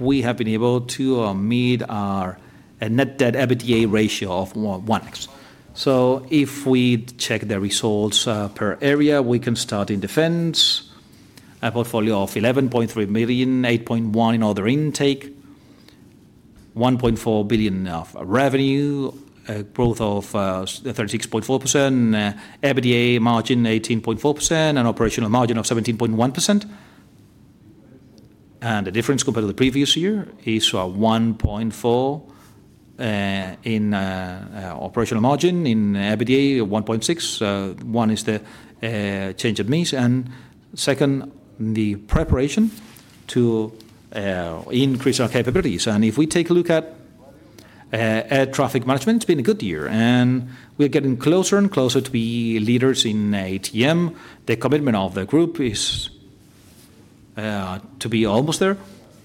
We have been able to meet our net debt EBITDA ratio of 1:1. If we check the results per area, we can start in defense. A portfolio of 11.3 million, 8.1 million in order intake, 1.4 billion of revenue, a growth of 36.4%, EBITDA margin 18.4%, and operational margin of 17.1%. The difference compared to the previous year is 1.4% in operational margin, in EBITDA, 1.6%. One is the change of mix, and second, the preparation to increase our capabilities. If we take a look at air traffic management, it's been a good year, and we're getting closer and closer to be leaders in ATM. The commitment of the group is to be almost there,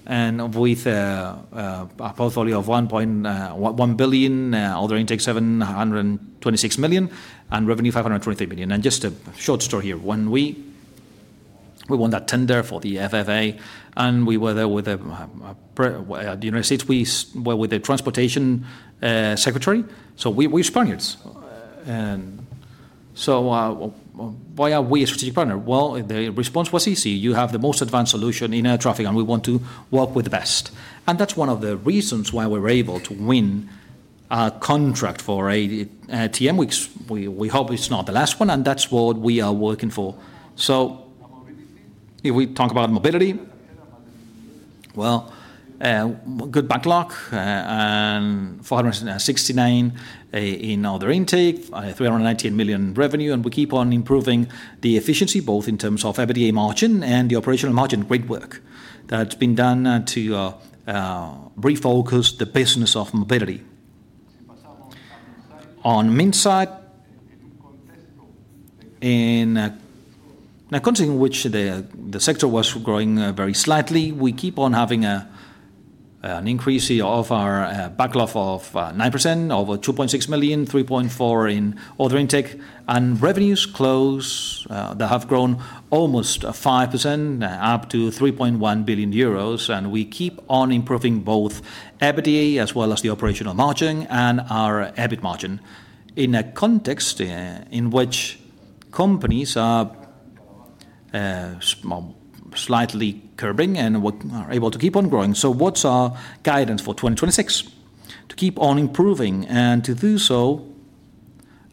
with a portfolio of 1.1 billion, order intake 726 million, and revenue 523 million. Just a short story here. When we won that tender for the FAA, and we were there with the United States, with the transportation secretary, we're partners. Why are we a strategic partner? Well, the response was easy. "You have the most advanced solution in air traffic, and we want to work with the best." That's one of the reasons why we were able to win a contract for a ATM, which we hope it's not the last one, and that's what we are working for. If we talk about mobility, well, good backlog, 469 in order intake, 390 million revenue, we keep on improving the efficiency, both in terms of EBITDA margin and the operational margin. Great work that's been done to refocus the business of mobility. On Minsait, in a country in which the sector was growing very slightly, we keep on having an increase here of our backlog of 9%, over 2.6 million, 3.4 million in order intake, and revenues close that have grown almost 5%, up to 3.1 billion euros, and we keep on improving both EBITDA, as well as the operational margin and our EBIT margin. In a context in which companies are slightly curbing and we are able to keep on growing. What's our guidance for 2026? To keep on improving, and to do so.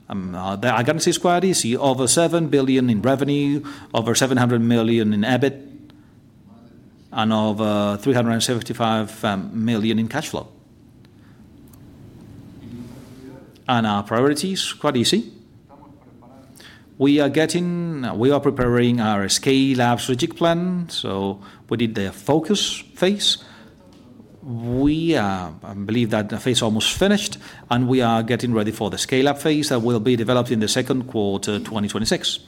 The guidance is quite easy: over 7 billion in revenue, over 700 million in EBIT, and over 375 million in cash flow. Our priorities, quite easy. We are preparing our scale-up strategic plan, so we did the focus phase. We believe that the phase almost finished, and we are getting ready for the scale-up phase that will be developed in the Q2, 2026.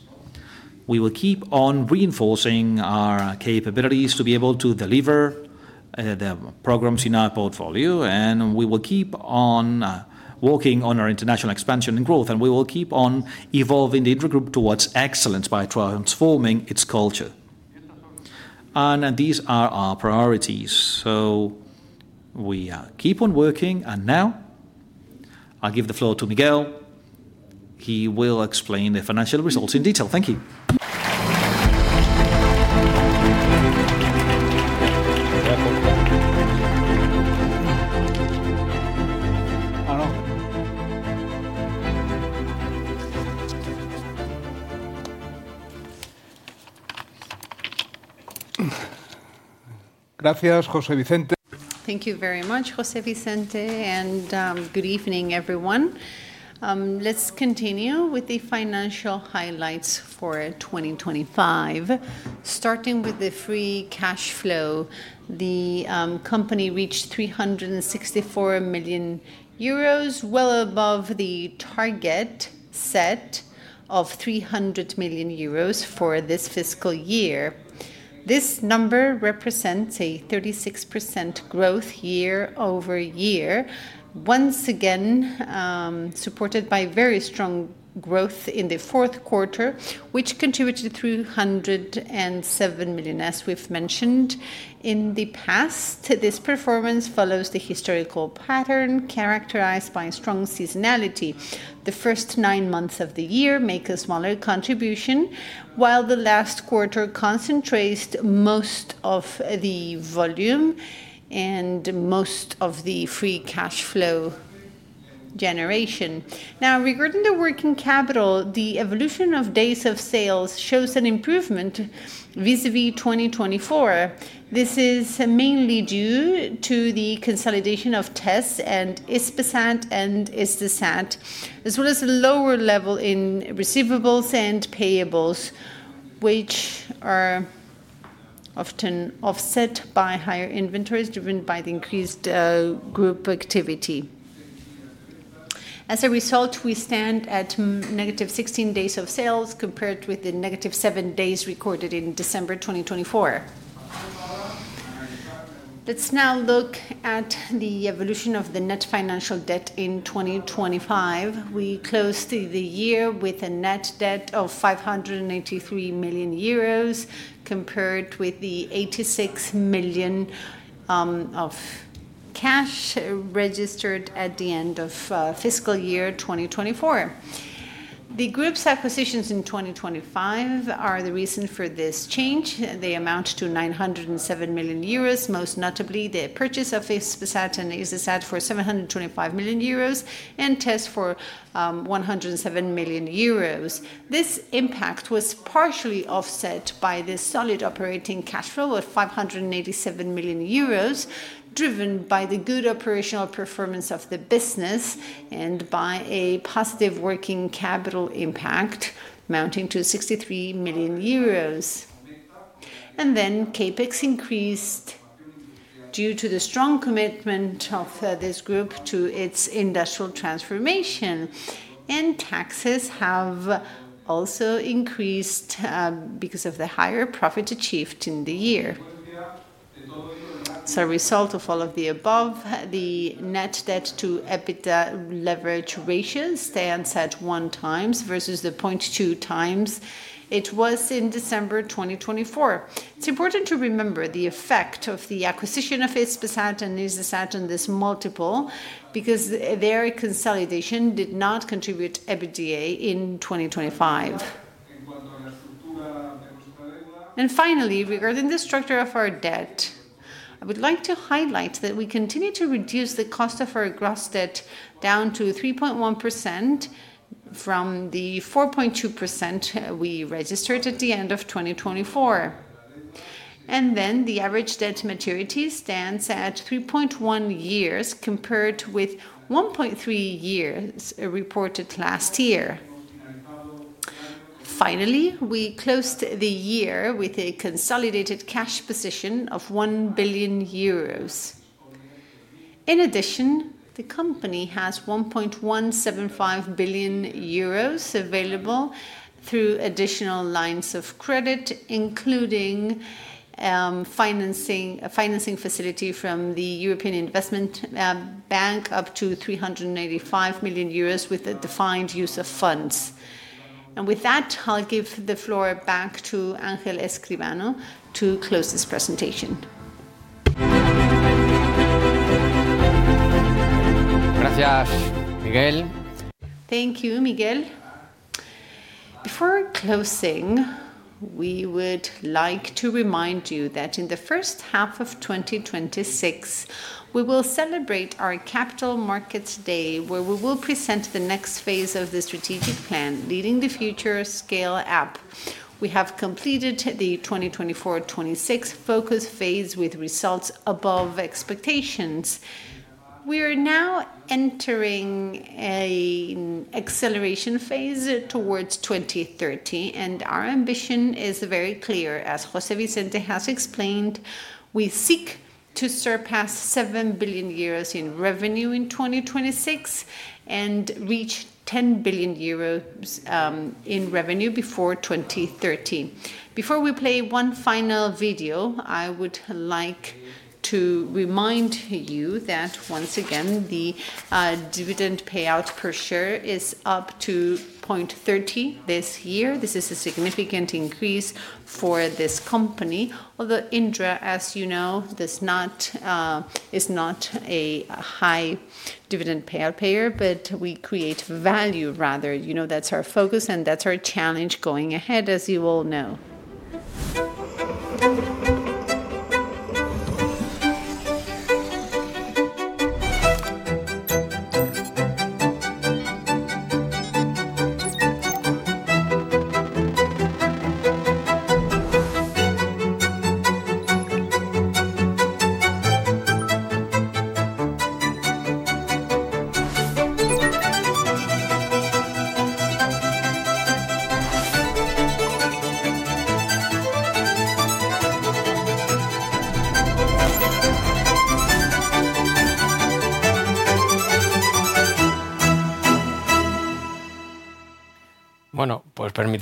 We will keep on reinforcing our capabilities to be able to deliver the programs in our portfolio, we will keep on working on our international expansion and growth, we will keep on evolving the Indra Group towards excellence by transforming its culture. These are our priorities, so we keep on working. Now, I'll give the floor to Miguel. He will explain the financial results in detail. Thank you. Gracias, José Vicente. Thank you very much, José Vicente. Good evening, everyone. Let's continue with the financial highlights for 2025. Starting with the free cash flow, the company reached 364 million euros, well above the target set of 300 million euros for this fiscal year. This number represents a 36% growth year-over-year. Once again, supported by very strong growth in Q4, which contributed to 307 million. As we've mentioned in the past, this performance follows the historical pattern characterized by strong seasonality. The first nine months of the year make a smaller contribution, while the last quarter concentrates most of the volume and most of the free cash flow generation. Regarding the working capital, the evolution of days of sales shows an improvement vis-à-vis 2024. This is mainly due to the consolidation of Tess and Hispasat and Eutelsat, as well as a lower level in receivables and payables, which are often offset by higher inventories, driven by the increased Group activity. We stand at negative 16 days of sales, compared with the negative seven days recorded in December 2024. Let's now look at the evolution of the net financial debt in 2025. We closed the year with a net debt of 583 million euros, compared with 86 million of cash registered at the end of fiscal year 2024. The Group's acquisitions in 2025 are the reason for this change. They amount to 907 million euros, most notably the purchase of Hispasat and Eutelsat for 725 million euros and Tess for 107 million euros. This impact was partially offset by the solid operating cash flow of 587 million euros, driven by the good operational performance of the business and by a positive working capital impact amounting to 63 million euros. CapEx increased due to the strong commitment of this group to its industrial transformation, and taxes have also increased because of the higher profit achieved in the year. As a result of all of the above, the net debt to EBITDA leverage ratio stands at one times versus the 0.2 times it was in December 2024. It's important to remember the effect of the acquisition of Hispasat and Eutelsat on this multiple, because their consolidation did not contribute to EBITDA in 2025. Finally, regarding the structure of our debt, I would like to highlight that we continue to reduce the cost of our gross debt down to 3.1% from the 4.2% we registered at the end of 2024. The average debt maturity stands at 3.1 years, compared with 1.3 years reported last year. Finally, we closed the year with a consolidated cash position of 1 billion euros. In addition, the company has 1.175 billion euros available through additional lines of credit, including financing, a financing facility from the European Investment Bank, up to 385 million euros with a defined use of funds. With that, I'll give the floor back to Ángel Escribano to close this presentation. Gracias, Miguel. Thank you, Miguel. Before closing, we would like to remind you that in the first half of 2026, we will celebrate our Capital Markets Day, where we will present the next phase of the strategic plan, Leading the Future Scale Up. We have completed the 2024/2026 focus phase with results above expectations. We are now entering an acceleration phase towards 2030, and our ambition is very clear, as José Vicente has explained, we seek to surpass 7 billion euros in revenue in 2026, and reach 10 billion euros in revenue before 2030. Before we play one final video, I would like to remind you that, once again, the dividend payout per share is up to 0.30 this year. This is a significant increase for this company, although Indra, as you know, does not, is not a high dividend payout payer. We create value rather. You know, that's our focus. That's our challenge going ahead, as you all know.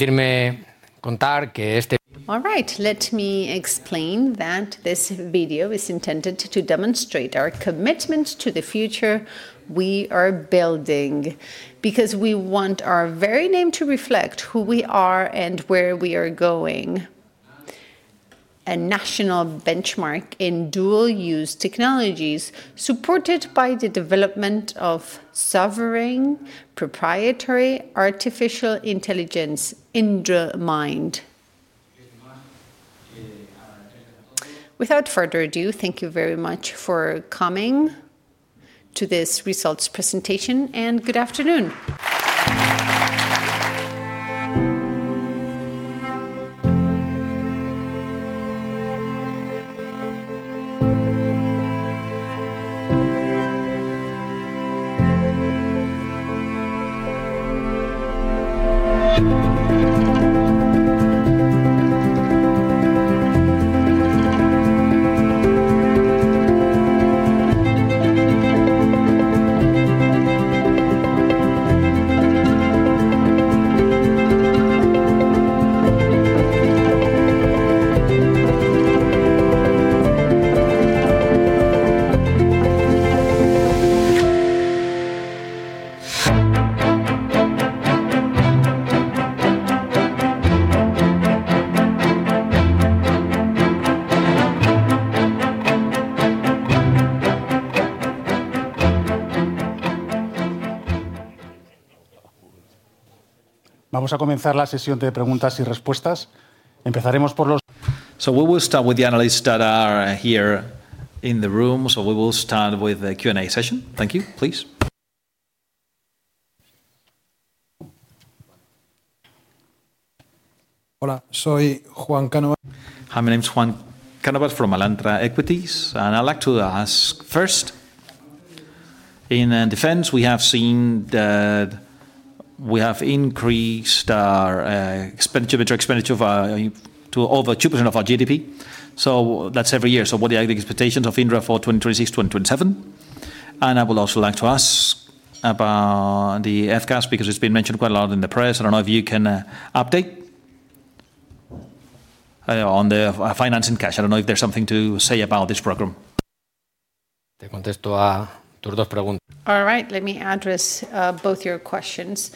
All right, let me explain that this video is intended to demonstrate our commitment to the future we are building, because we want our very name to reflect who we are and where we are going. A national benchmark in dual-use technologies, supported by the development of sovereign, proprietary artificial intelligence, IndraMind. Without further ado, thank you very much for coming to this results presentation. Good afternoon. We will start with the analysts that are here in the room. We will start with the Q&A session. Thank you. Please. Hola, soy Juan Cánovas. Hi, my name's Juan Cánovas from Alantra Equities, I'd like to ask first, in defense, we have seen that we have increased our expenditure of over 2% of our GDP. That's every year. What are the expectations of Indra for 2026, 2027? I would also like to ask about the FCAS, because it's been mentioned quite a lot in the press. I don't know if you can update on the finance and cash. I don't know if there's something to say about this program. All right, let me address both your questions.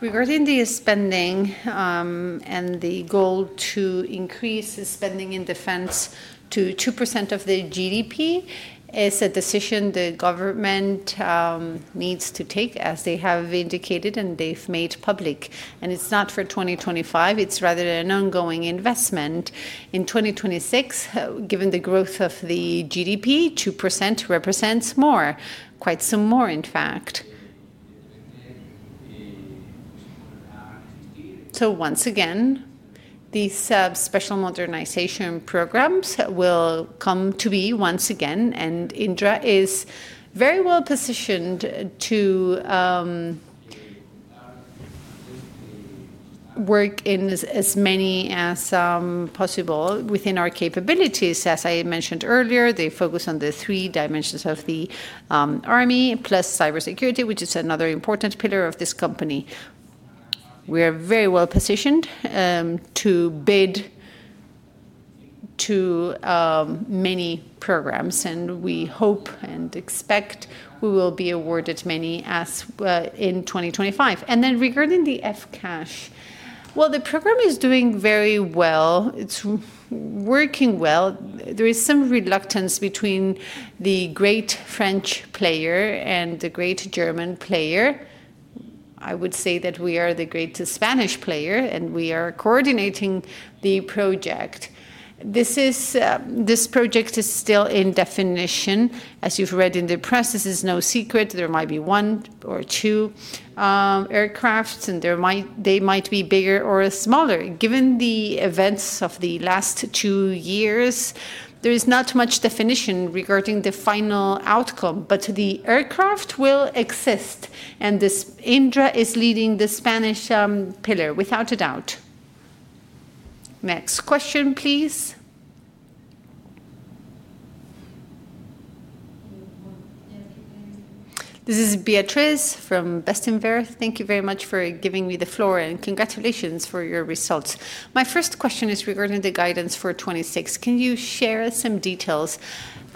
Regarding the spending, and the goal to increase the spending in defense to 2% of the GDP, it's a decision the government needs to take, as they have indicated, and they've made public. It's not for 2025, it's rather an ongoing investment. In 2026, given the growth of the GDP, 2% represents more, quite some more, in fact. Once again, these Special Modernization Programs will come to be once again, and Indra is very well positioned to work in as many as possible within our capabilities. As I mentioned earlier, they focus on the three dimensions of the army, plus cybersecurity, which is another important pillar of this company. We are very well positioned, to bid to, many programs. We hope and expect we will be awarded many as, in 2025. Regarding the FCAS, well, the program is doing very well. It's working well. There is some reluctance between the great French player and the great German player. I would say that we are the greatest Spanish player, and we are coordinating the project. This project is still in definition. As you've read in the press, this is no secret. There might be one or two aircrafts, and they might be bigger or smaller. Given the events of the last two years, there is not much definition regarding the final outcome, but the aircraft will exist, and this Indra is leading the Spanish pillar, without a doubt. Next question, please. This is Beatriz from Bestinver. Thank you very much for giving me the floor, and congratulations for your results. My first question is regarding the guidance for 2026. Can you share some details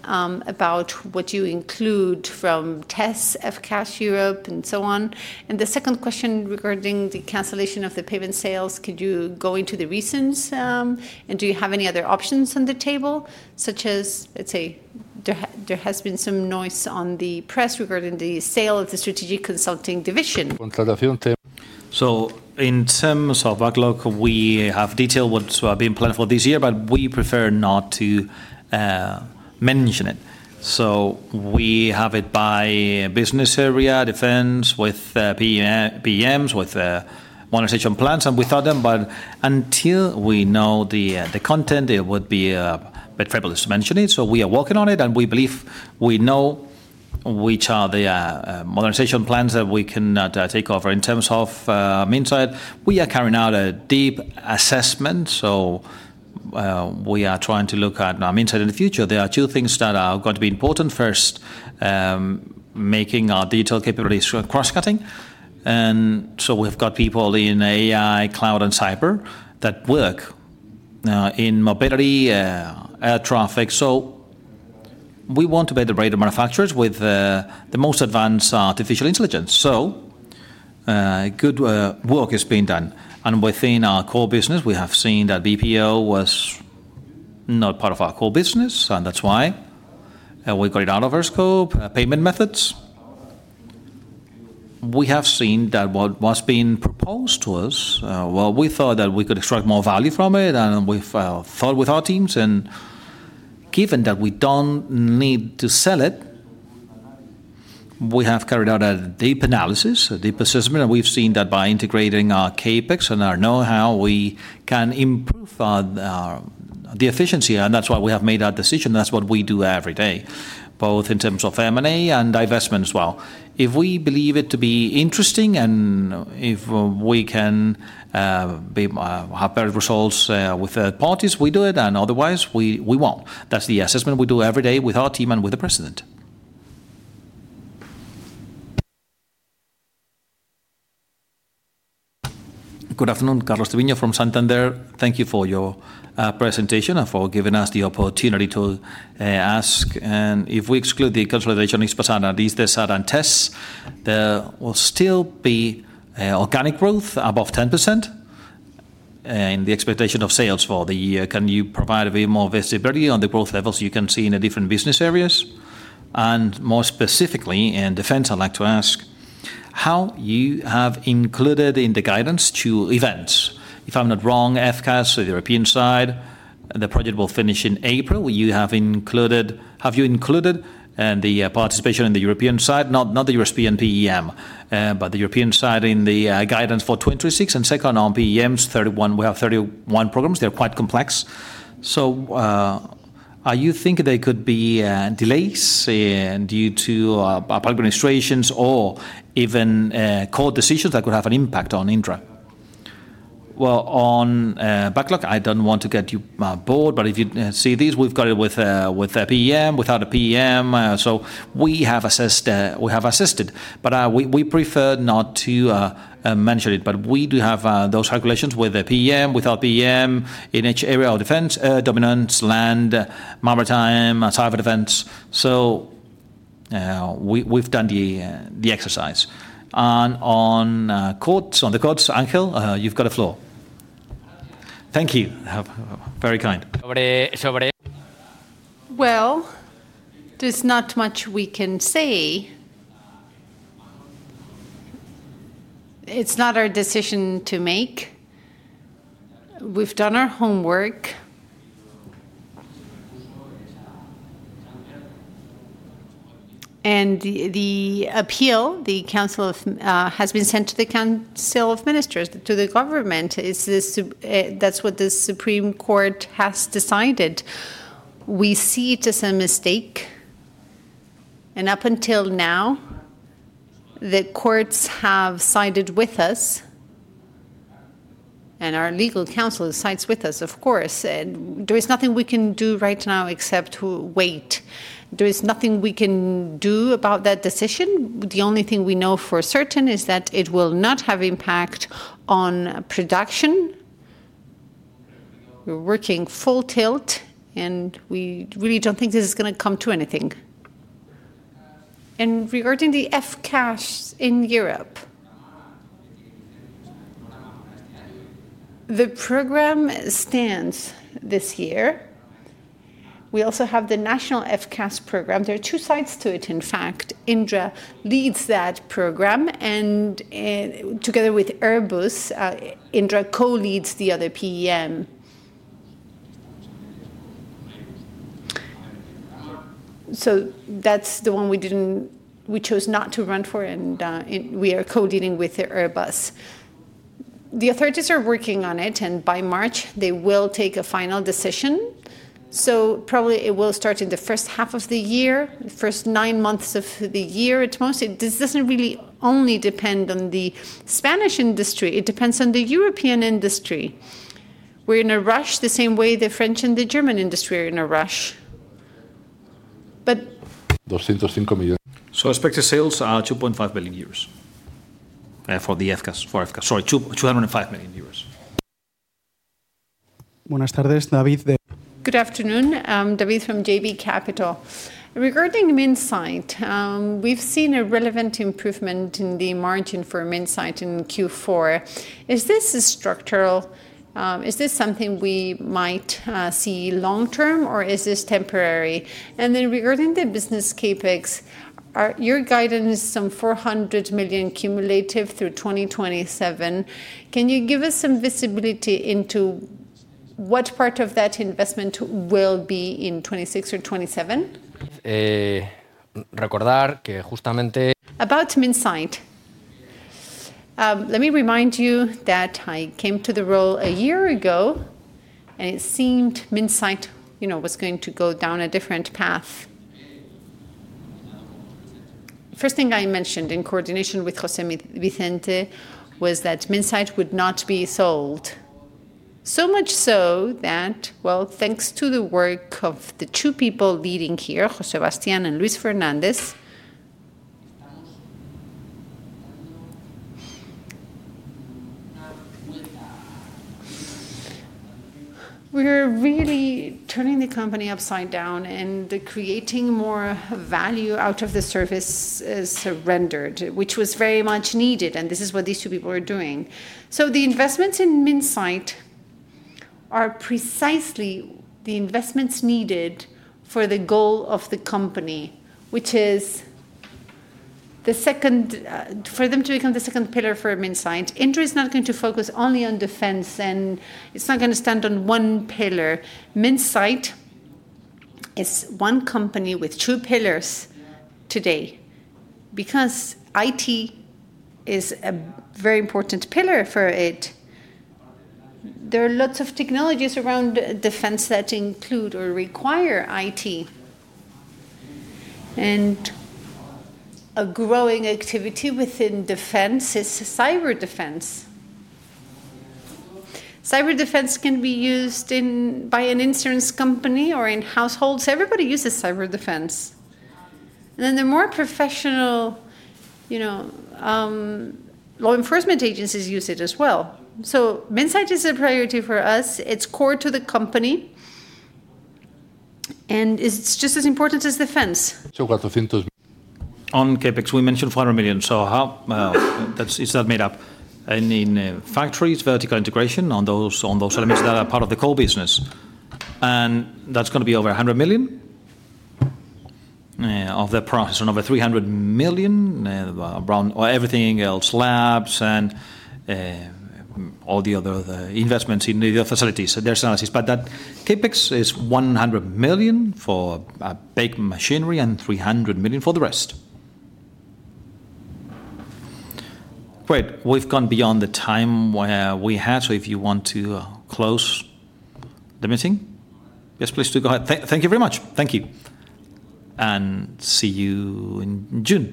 about what you include from tests of Cash Europe and so on? The second question regarding the cancellation of the payment sales, could you go into the reasons, and do you have any other options on the table, such as, let's say, there has been some noise on the press regarding the sale of the strategic consulting division? In terms of backlog, we have detailed what's being planned for this year, but we prefer not to mention it. We have it by business area, defense, with PEMs, with monetization plans, and we thought them, but until we know the content, it would be a bit frivolous to mention it. We are working on it, and we believe we know which are the modernization plans that we can take over. In terms of Minsait, we are carrying out a deep assessment, we are trying to look at Minsait in the future. There are two things that are going to be important. First, making our digital capabilities cross-cutting, we've got people in AI, cloud, and cyber that work in mobility, air traffic. We want to be the greater manufacturers with the most advanced artificial intelligence. Good work is being done, and within our core business, we have seen that BPO was not part of our core business, and that's why we got it out of our scope. Payment methods, we have seen that what was being proposed to us, well, we thought that we could extract more value from it, and we've thought with our teams, and given that we don't need to sell it, we have carried out a deep analysis, a deep assessment, and we've seen that by integrating our CapEx and our know-how, we can improve the efficiency, and that's why we have made that decision. That's what we do every day, both in terms of M&A and divestment as well. If we believe it to be interesting, and if we can be have better results with parties, we do it, and otherwise, we won't. That's the assessment we do every day with our team and with the president. Good afternoon, Carlos Treviño from Santander. Thank you for your presentation and for giving us the opportunity to ask. If we exclude the consolidation expressana, these are tests, there will still be organic growth above 10% in the expectation of sales for the year. Can you provide a bit more visibility on the growth levels you can see in the different business areas? More specifically, in defense, I'd like to ask, how you have included in the guidance to events? If I'm not wrong, FCAS, so the European Skyshield, the project will finish in April, where you have included. Have you included the participation in the European Skyshield, not the U.S. P and PEM, but the European side in the guidance for 2026? Second, on PEMs, 31, we have 31 programs. They're quite complex. You think there could be delays due to public administrations or even court decisions that could have an impact on Indra? Well, on backlog, I don't want to get you bored, but if you see these, we've got it with PEM, without a PEM. We have assessed it, but we prefer not to mention it. We do have those calculations with the PEM, without PEM, in each area of defense dominance, land, maritime, cyber events. We've done the exercise. On the courts, Ángel, you've got the floor. Thank you. Very kind. Well, there's not much we can say. It's not our decision to make. We've done our homework. The appeal, the council of, has been sent to the Council of Ministers, to the government. That's what the Supreme Court has decided. We see it as a mistake, and up until now, the courts have sided with us, and our legal counsel sides with us, of course. There is nothing we can do right now except to wait. There is nothing we can do about that decision. The only thing we know for certain is that it will not have impact on production. We're working full tilt, and we really don't think this is gonna come to anything. Regarding the FCAS in Europe? The program stands this year. We also have the national FCAS program. There are two sides to it, in fact. Indra leads that program, and together with Airbus, Indra co-leads the other PEM. That's the one we chose not to run for, and we are co-leading with Airbus. The authorities are working on it, and by March, they will take a final decision, so probably it will start in the first half of the year, the first nine months of the year at most. This doesn't really only depend on the Spanish industry, it depends on the European industry. We're in a rush, the same way the French and the German industry are in a rush. Expected sales are 2.5 billion euros for FCAS. Sorry, EUR 205 million. Good afternoon. I'm David from JB Capital. Regarding Minsait, we've seen a relevant improvement in the margin for Minsait in Q4. Is this structural? Is this something we might see long-term, or is this temporary? Regarding the business CapEx, your guidance is some 400 million cumulative through 2027. Can you give us some visibility into what part of that investment will be in 2026 or 2027? About Minsait, let me remind you that I came to the role a year ago. It seemed Minsait, you know, was going to go down a different path. First thing I mentioned, in coordination with José Vicente, was that Minsait would not be sold. Much so that, well, thanks to the work of the two people leading here, Jose Sebastian and Luis Fernandez, we're really turning the company upside down and creating more value out of the service surrendered, which was very much needed, and this is what these two people are doing. The investments in Minsait are precisely the investments needed for the goal of the company, which is the second for them to become the second pillar for Minsait. Indra is not going to focus only on defense, and it's not gonna stand on one pillar. Minsait is one company with two pillars today, because IT is a very important pillar for it. There are lots of technologies around defense that include or require IT, and a growing activity within defense is cyber defense. Cyber defense can be used in, by an insurance company or in households. Everybody uses cyber defense. Then the more professional, you know, law enforcement agencies use it as well. Minsait is a priority for us. It's core to the company, and it's just as important as defense. On CapEx, we mentioned 400 million, so how that's, is that made up? In factories, vertical integration on those elements that are part of the core business, and that's gonna be over 100 million of the price and over 300 million around everything else, labs and all the other investments in the other facilities. There's analysis, but that CapEx is 100 million for big machinery and 300 million for the rest. Great. We've gone beyond the time where we had, if you want to close the meeting? Yes, please do. Go ahead. Thank you very much. Thank you, and see you in June.